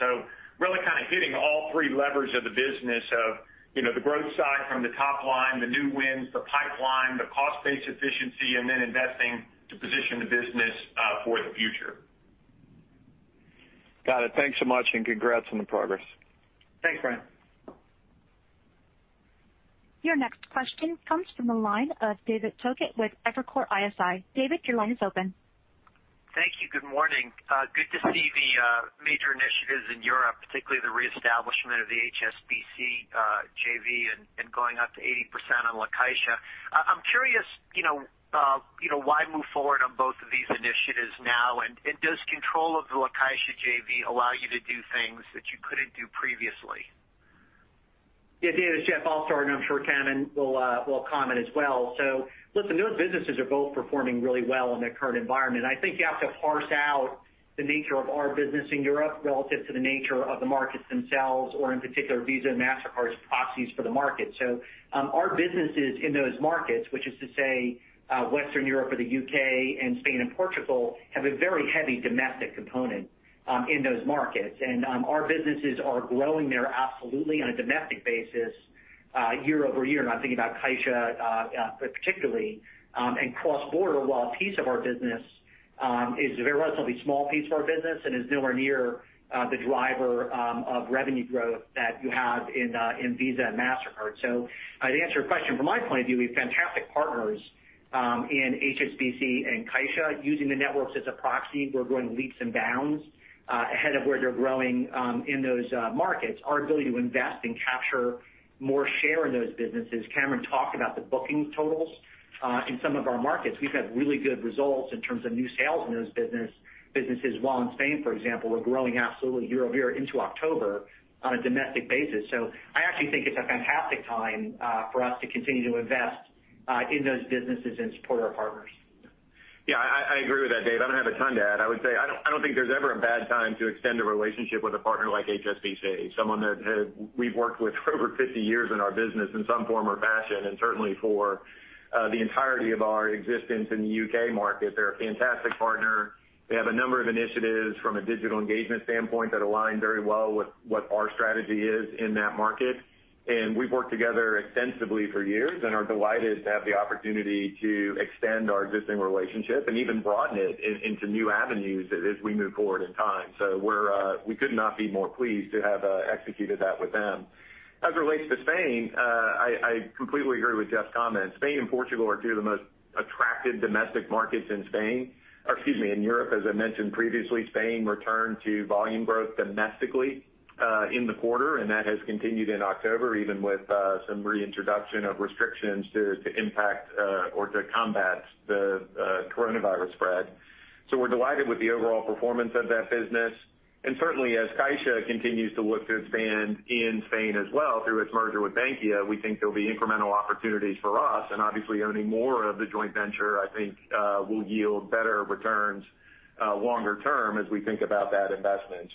Really kind of hitting all three levers of the business of the growth side from the top line, the new wins, the pipeline, the cost base efficiency, and then investing to position the business for the future. Got it. Thanks so much, congrats on the progress. Thanks, Bryan. Your next question comes from the line of David Togut with Evercore ISI. David, your line is open. Thank you. Good morning. Good to see the major initiatives in Europe, particularly the reestablishment of the HSBC JV and going up to 80% on Caixa. I'm curious why move forward on both of these initiatives now. Does control of the Caixa JV allow you to do things that you couldn't do previously? Yeah. David, it's Jeff. I'll start, I'm sure Cameron will comment as well. Listen, those businesses are both performing really well in their current environment. I think you have to parse out the nature of our business in Europe relative to the nature of the markets themselves, or in particular, Visa and Mastercard's proxies for the market. Our businesses in those markets, which is to say Western Europe or the U.K. and Spain and Portugal, have a very heavy domestic component in those markets. Our businesses are growing there absolutely on a domestic basis year-over-year, and I'm thinking about CaixaBank particularly and cross-border, while a piece of our business is a relatively small piece of our business and is nowhere near the driver of revenue growth that you have in Visa and Mastercard. To answer your question, from my point of view, we have fantastic partners in HSBC and CaixaBank using the networks as a proxy. We're growing leaps and bounds ahead of where they're growing in those markets. Our ability to invest and capture more share in those businesses, Cameron talked about the booking totals in some of our markets. We've had really good results in terms of new sales in those businesses, while in Spain, for example, we're growing absolutely year-over-year into October on a domestic basis. I actually think it's a fantastic time for us to continue to invest in those businesses and support our partners. Yeah, I agree with that, Dave. I don't have a ton to add. I would say, I don't think there's ever a bad time to extend a relationship with a partner like HSBC, someone that we've worked with for over 50 years in our business in some form or fashion, and certainly for the entirety of our existence in the U.K. market. They're a fantastic partner. They have a number of initiatives from a digital engagement standpoint that align very well with what our strategy is in that market. We've worked together extensively for years and are delighted to have the opportunity to extend our existing relationship and even broaden it into new avenues as we move forward in time. We could not be more pleased to have executed that with them. As it relates to Spain, I completely agree with Jeff's comments. Spain and Portugal are two of the most attractive domestic markets in Spain, or excuse me, in Europe. As I mentioned previously, Spain returned to volume growth domestically in the quarter, and that has continued in October, even with some reintroduction of restrictions to impact or to combat the coronavirus spread. We're delighted with the overall performance of that business. Certainly as CaixaBank continues to look to expand in Spain as well through its merger with Bankia, we think there'll be incremental opportunities for us. Obviously owning more of the joint venture, I think will yield better returns longer term as we think about that investment.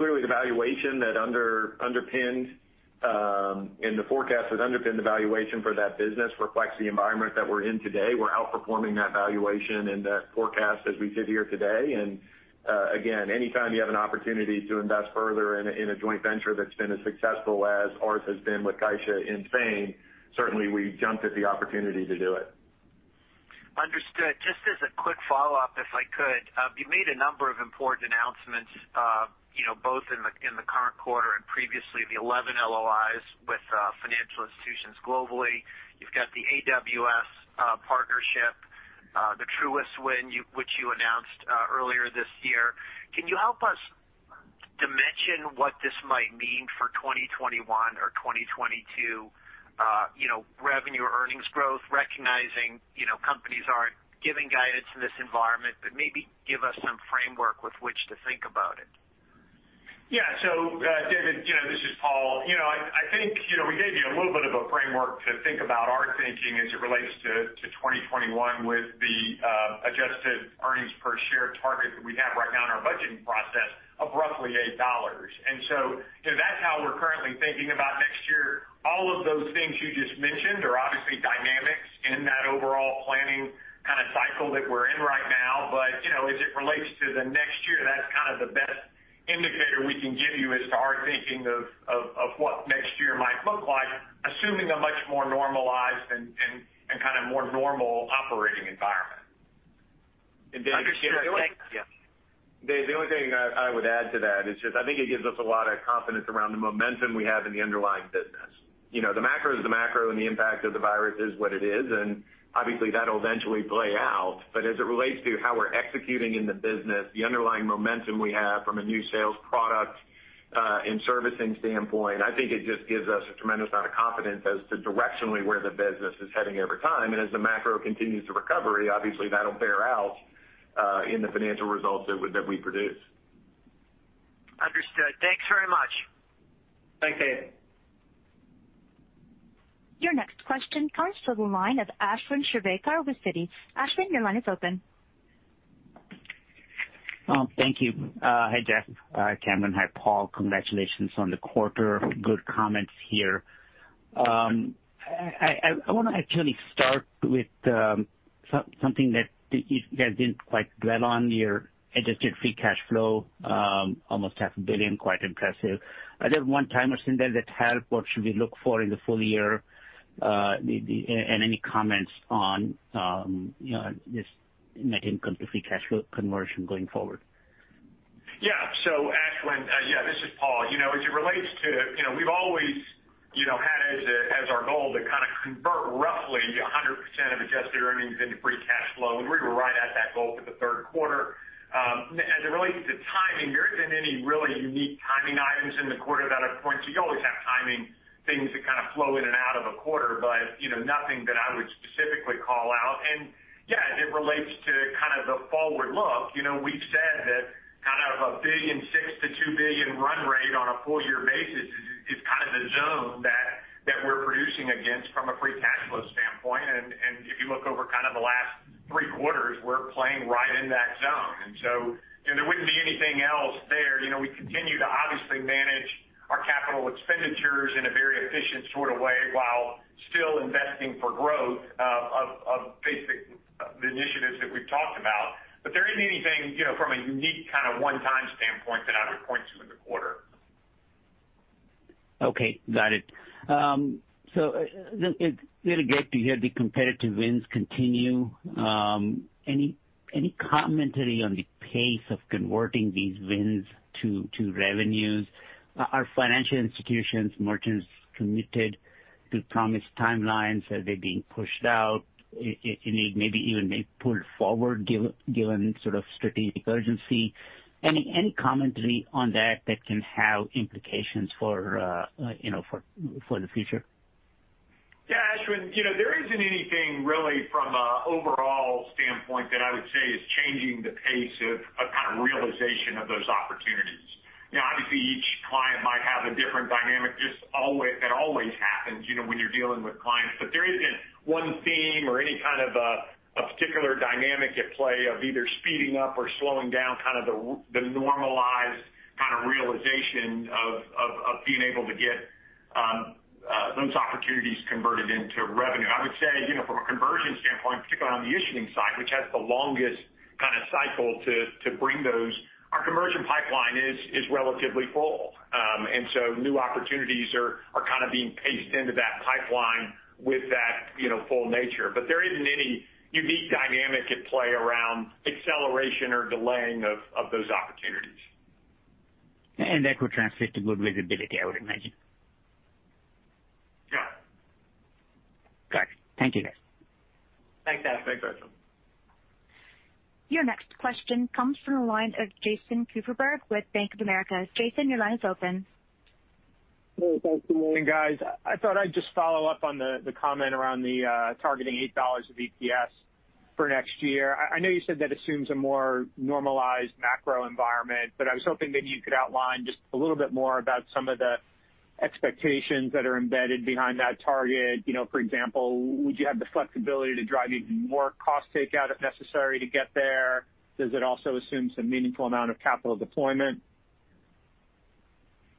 Clearly the valuation that underpinned and the forecast that underpinned the valuation for that business reflects the environment that we're in today. We're outperforming that valuation and that forecast as we sit here today. Again, anytime you have an opportunity to invest further in a joint venture that's been as successful as ours has been with CaixaBank in Spain, certainly we jumped at the opportunity to do it. Understood. Just as a quick follow-up, if I could. You made a number of important announcements both in the current quarter and previously, the 11 LOIs with financial institutions globally. You've got the AWS partnership, the Truist win, which you announced earlier this year. Can you help us mention what this might mean for 2021 or 2022 revenue earnings growth, recognizing companies aren't giving guidance in this environment, but maybe give us some framework with which to think about it? David, this is Paul. I think we gave you a little bit of a framework to think about our thinking as it relates to 2021 with the adjusted earnings per share target that we have right now in our budgeting process of roughly $8. That's how we're currently thinking about next year. All of those things you just mentioned are obviously dynamics in that overall planning kind of cycle that we're in right now. As it relates to the next year, that's kind of the best indicator we can give you as to our thinking of what next year might look like, assuming a much more normalized and kind of more normal operating environment. David. Understood. Thanks. Yeah. Dave, the only thing I would add to that is just I think it gives us a lot of confidence around the momentum we have in the underlying business. The macro is the macro, and the impact of the virus is what it is, and obviously that'll eventually play out. As it relates to how we're executing in the business, the underlying momentum we have from a new sales product and servicing standpoint, I think it just gives us a tremendous amount of confidence as to directionally where the business is heading over time. As the macro continues to recovery, obviously that'll bear out in the financial results that we produce. Understood. Thanks very much. Thanks, David. Your next question comes from the line of Ashwin Shirvaikar with Citi. Ashwin, your line is open. Oh, thank you. Hi, Jeff. Cameron. Hi, Paul. Congratulations on the quarter. Good comments here. I want to actually start with something that you guys didn't quite dwell on, your adjusted free cash flow, almost half a billion. Quite impressive. Are there one-timers in there that help, what should we look for in the full year? Any comments on this net income to free cash flow conversion going forward? Ashwin, yeah, this is Paul. We've always had as our goal to kind of convert roughly 100% of adjusted earnings into free cash flow. We were right at that goal for the third quarter. As it relates to timing, there isn't any really unique timing items in the quarter that I'd point to. You always have timing things that kind of flow in and out of a quarter, but nothing that I would specifically call out. As it relates to kind of the forward look, we've said that kind of a $1.6 billion-$2 billion run rate on a full year basis is kind of the zone that we're producing against from a free cash flow standpoint. If you look over kind of the last three quarters, we're playing right in that zone. There wouldn't be anything else there. We continue to obviously manage our capital expenditures in a very efficient sort of way while still investing for growth of basic initiatives that we've talked about. There isn't anything from a unique kind of one-time standpoint that I would point to in the quarter. Okay, got it. It's really great to hear the competitive wins continue. Any commentary on the pace of converting these wins to revenues? Are financial institutions merchants committed to promised timelines? Are they being pushed out, if you need maybe even made pulled forward given sort of strategic urgency? Any commentary on that that can have implications for the future? Yeah, Ashwin, there isn't anything really from an overall standpoint that I would say is changing the pace of a kind of realization of those opportunities. Obviously each client might have a different dynamic. That always happens when you're dealing with clients, there isn't one theme or any kind of a particular dynamic at play of either speeding up or slowing down kind of the normalized kind of realization of being able to get those opportunities converted into revenue. I would say from a conversion standpoint, particularly on the issuing side, which has the longest kind of cycle to bring those, our conversion pipeline is relatively full. New opportunities are kind of being paced into that pipeline with that full nature. There isn't any unique dynamic at play around acceleration or delaying of those opportunities. That could translate to good visibility, I would imagine. Yeah. Got it. Thank you, guys. Thanks, Ashwin. Thanks, Ashwin. Your next question comes from the line of Jason Kupferberg with Bank of America. Jason, your line is open. Hey, thanks for taking the call. Good morning, guys. I thought I'd just follow up on the comment around the targeting $8 of EPS for next year. I know you said that assumes a more normalized macro environment, but I was hoping maybe you could outline just a little bit more about some of the expectations that are embedded behind that target. For example, would you have the flexibility to drive even more cost takeout if necessary to get there? Does it also assume some meaningful amount of capital deployment?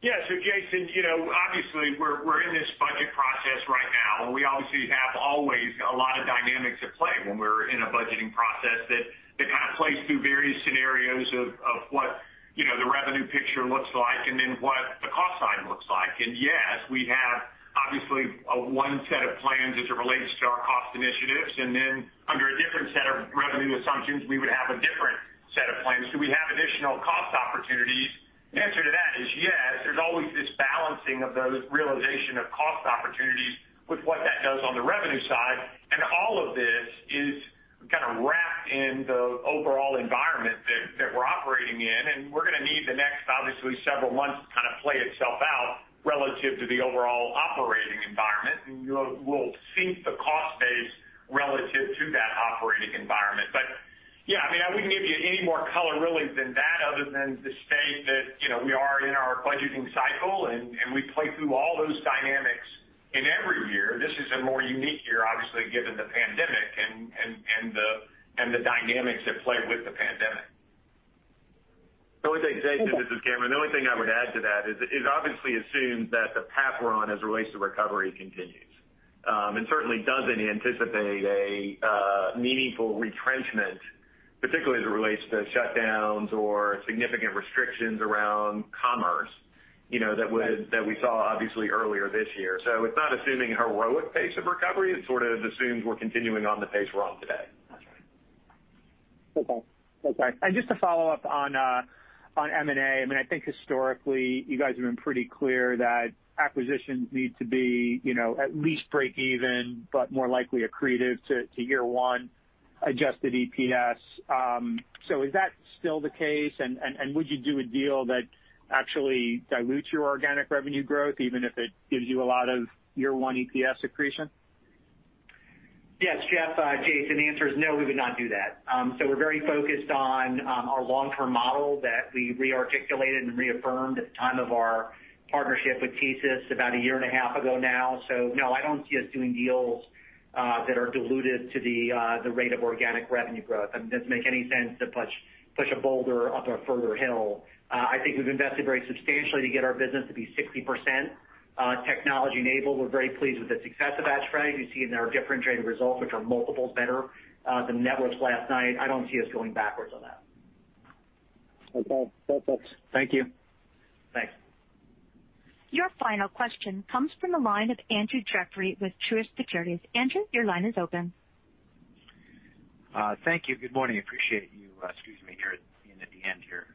Yeah. Jason, obviously we're in this budget process right now, and we obviously have always a lot of dynamics at play when we're in a budgeting process that kind of plays through various scenarios of what the revenue picture looks like and then what the cost side looks like. Yes, we have obviously one set of plans as it relates to our cost initiatives, and then under a different set of revenue assumptions, we would have a different set of plans. Do we have additional cost opportunities? The answer to that is yes There's always this balancing of those realization of cost opportunities with what that does on the revenue side. All of this is kind of wrapped in the overall environment that we're operating in, and we're going to need the next, obviously, several months to kind of play itself out relative to the overall operating environment. We'll sync the cost base relative to that operating environment. Yeah, I mean, I wouldn't give you any more color really than that, other than to state that we are in our budgeting cycle, and we play through all those dynamics in every year. This is a more unique year, obviously, given the pandemic and the dynamics at play with the pandemic. The only thing, Jason, this is Cameron. The only thing I would add to that is, obviously assume that the path we're on as it relates to recovery continues. It certainly doesn't anticipate a meaningful retrenchment, particularly as it relates to shutdowns or significant restrictions around commerce that we saw obviously earlier this year. It's not assuming heroic pace of recovery. It sort of assumes we're continuing on the pace we're on today. That's right. Okay. Just to follow up on M&A, I think historically you guys have been pretty clear that acquisitions need to be at least break even, but more likely accretive to year one adjusted EPS. Is that still the case? Would you do a deal that actually dilutes your organic revenue growth, even if it gives you a lot of year one EPS accretion? Yes, Jeff, Jason, the answer is no, we would not do that. We're very focused on our long-term model that we re-articulated and reaffirmed at the time of our partnership with TSYS about a year and a half ago now. No, I don't see us doing deals that are diluted to the rate of organic revenue growth. It doesn't make any sense to push a boulder up a further hill. I think we've invested very substantially to get our business to be 60% technology-enabled. We're very pleased with the success of [that strategy]. You see in our differentiated results, which are multiples better than networks last night. I don't see us going backwards on that. Okay. That helps. Thank you. Thanks. Your final question comes from the line of Andrew Jeffrey with Truist Securities. Andrew, your line is open. Thank you. Good morning. Appreciate you squeezing me in at the end here.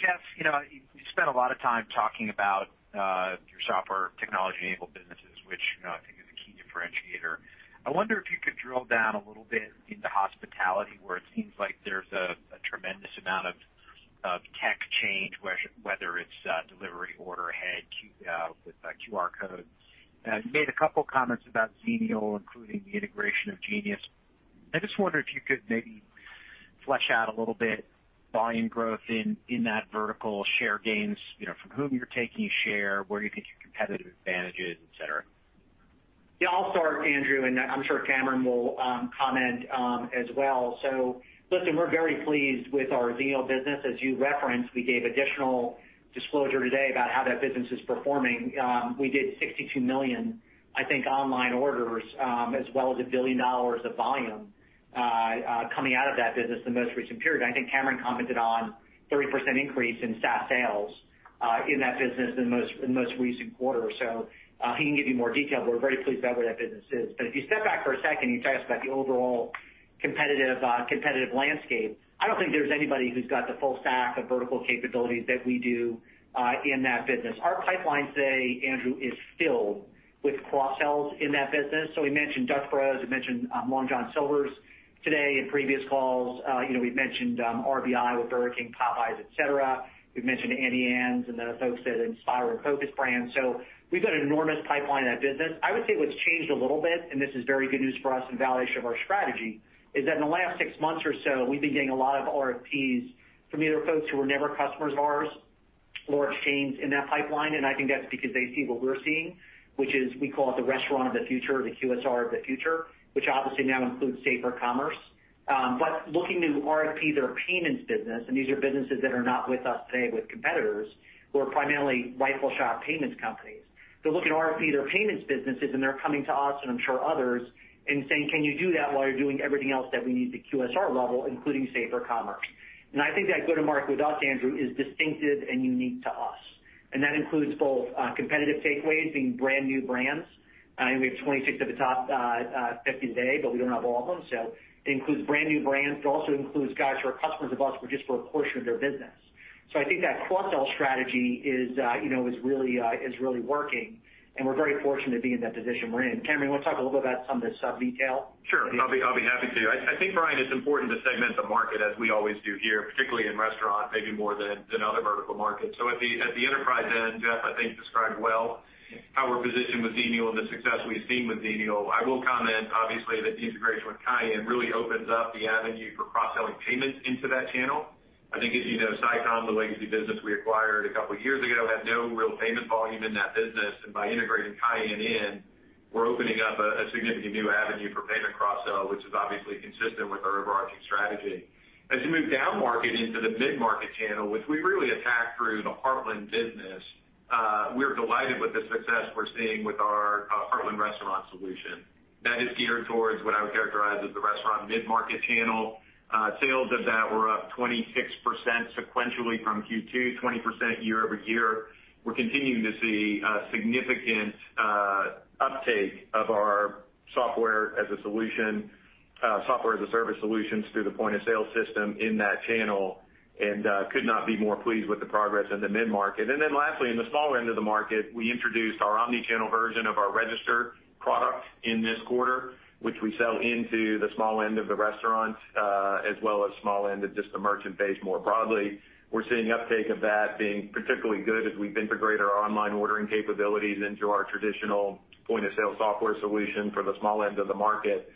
Jeff, you spent a lot of time talking about your software technology-enabled businesses, which I think is a key differentiator. I wonder if you could drill down a little bit into hospitality, where it seems like there's a tremendous amount of tech change, whether it's delivery order ahead with QR code. You made a couple comments about Xenial, including the integration of Genius. I just wonder if you could maybe flesh out a little bit volume growth in that vertical share gains, from whom you're taking share, where you think your competitive advantage is, et cetera. Yeah, I'll start, Andrew, and I'm sure Cameron will comment as well. Listen, we're very pleased with our Xenial business. As you referenced, we gave additional disclosure today about how that business is performing. We did $62 million, I think, online orders as well as $1 billion of volume coming out of that business in the most recent period. I think Cameron commented on 30% increase in SaaS sales in that business in the most recent quarter or so. He can give you more detail, we're very pleased about where that business is. If you step back for a second and you talk about the overall competitive landscape, I don't think there's anybody who's got the full stack of vertical capabilities that we do in that business. Our pipeline today, Andrew, is filled with cross-sells in that business. We mentioned Dutch Bros, we mentioned Long John Silver's today. In previous calls, we've mentioned RBI with Burger King, Popeyes, et cetera. We've mentioned Auntie Anne's and the folks at Inspire and Focus Brands. We've got an enormous pipeline in that business. I would say what's changed a little bit, and this is very good news for us and validation of our strategy, is that in the last six months or so, we've been getting a lot of RFPs from either folks who were never customers of ours or exchange in that pipeline. I think that's because they see what we're seeing, which is we call it the restaurant of the future, the QSR of the future, which obviously now includes safer commerce. Looking to RFP their payments business, and these are businesses that are not with us today, with competitors who are primarily rifle shot payments companies. They're looking to RFP their payments businesses, and they're coming to us and I'm sure others and saying, "Can you do that while you're doing everything else that we need at the QSR level, including safer commerce?" I think that go-to-market with us, Andrew, is distinctive and unique to us. That includes both competitive takeaways, being brand new brands. I think we have 26 of the top 50 today, but we don't have all of them. It includes brand new brands. It also includes guys who are customers of us, but just for a portion of their business. I think that cross-sell strategy is really working, and we're very fortunate to be in that position we're in. Cameron, you want to talk a little bit about some of the sub detail? Sure. I'll be happy to. I think, Bryan, it's important to segment the market as we always do here, particularly in restaurant, maybe more than other vertical markets. At the enterprise end, Jeff, I think, described well how we're positioned with Xenial and the success we've seen with Xenial. I will comment, obviously, that the integration with Cayan really opens up the avenue for cross-selling payments into that channel. I think as you know, Xenial, the legacy business we acquired a couple years ago, had no real payment volume in that business. By integrating Cayan in, we're opening up a significant new avenue for payment cross-sell, which is obviously consistent with our overarching strategy. As you move down market into the mid-market channel, which we really attack through the Heartland business, we're delighted with the success we're seeing with our Heartland restaurant solution. That is geared towards what I would characterize as the restaurant mid-market channel. Sales of that were up 26% sequentially from Q2, 20% year-over-year. We're continuing to see significant uptake of our Software as a Service solutions through the point-of-sale system in that channel and could not be more pleased with the progress in the mid-market. Lastly, in the small end of the market, we introduced our omni-channel version of our register product in this quarter, which we sell into the small end of the restaurant as well as small end of just the merchant base more broadly. We're seeing uptake of that being particularly good as we've integrated our online ordering capabilities into our traditional point-of-sale software solution for the small end of the market.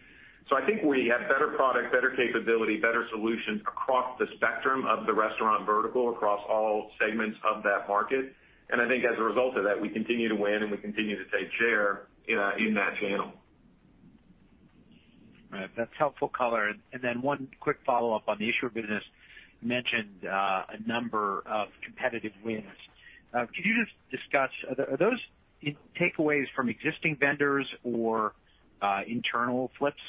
I think we have better product, better capability, better solutions across the spectrum of the restaurant vertical, across all segments of that market. I think as a result of that, we continue to win, and we continue to take share in that channel. Right. That's helpful color. One quick follow-up on the issuer business. You mentioned a number of competitive wins. Could you just discuss, are those takeaways from existing vendors or internal flips?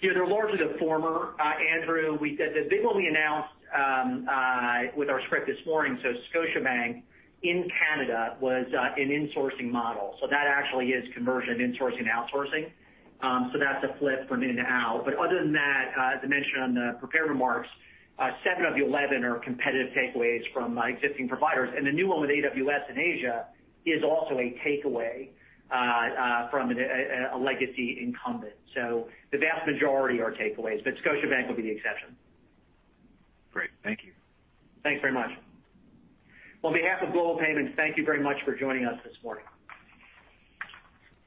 Yeah, they're largely the former, Andrew. The big one we announced with our script this morning, Scotiabank in Canada was an insourcing model. That actually is conversion, insourcing, outsourcing. That's a flip from in to out. Other than that, as I mentioned on the prepared remarks, seven of the 11 are competitive takeaways from existing providers. The new one with AWS in Asia is also a takeaway from a legacy incumbent. The vast majority are takeaways, but Scotiabank would be the exception. Great. Thank you. Thanks very much. Well, on behalf of Global Payments, thank you very much for joining us this morning.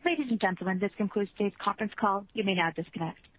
Ladies and gentlemen, this concludes today's conference call. You may now disconnect.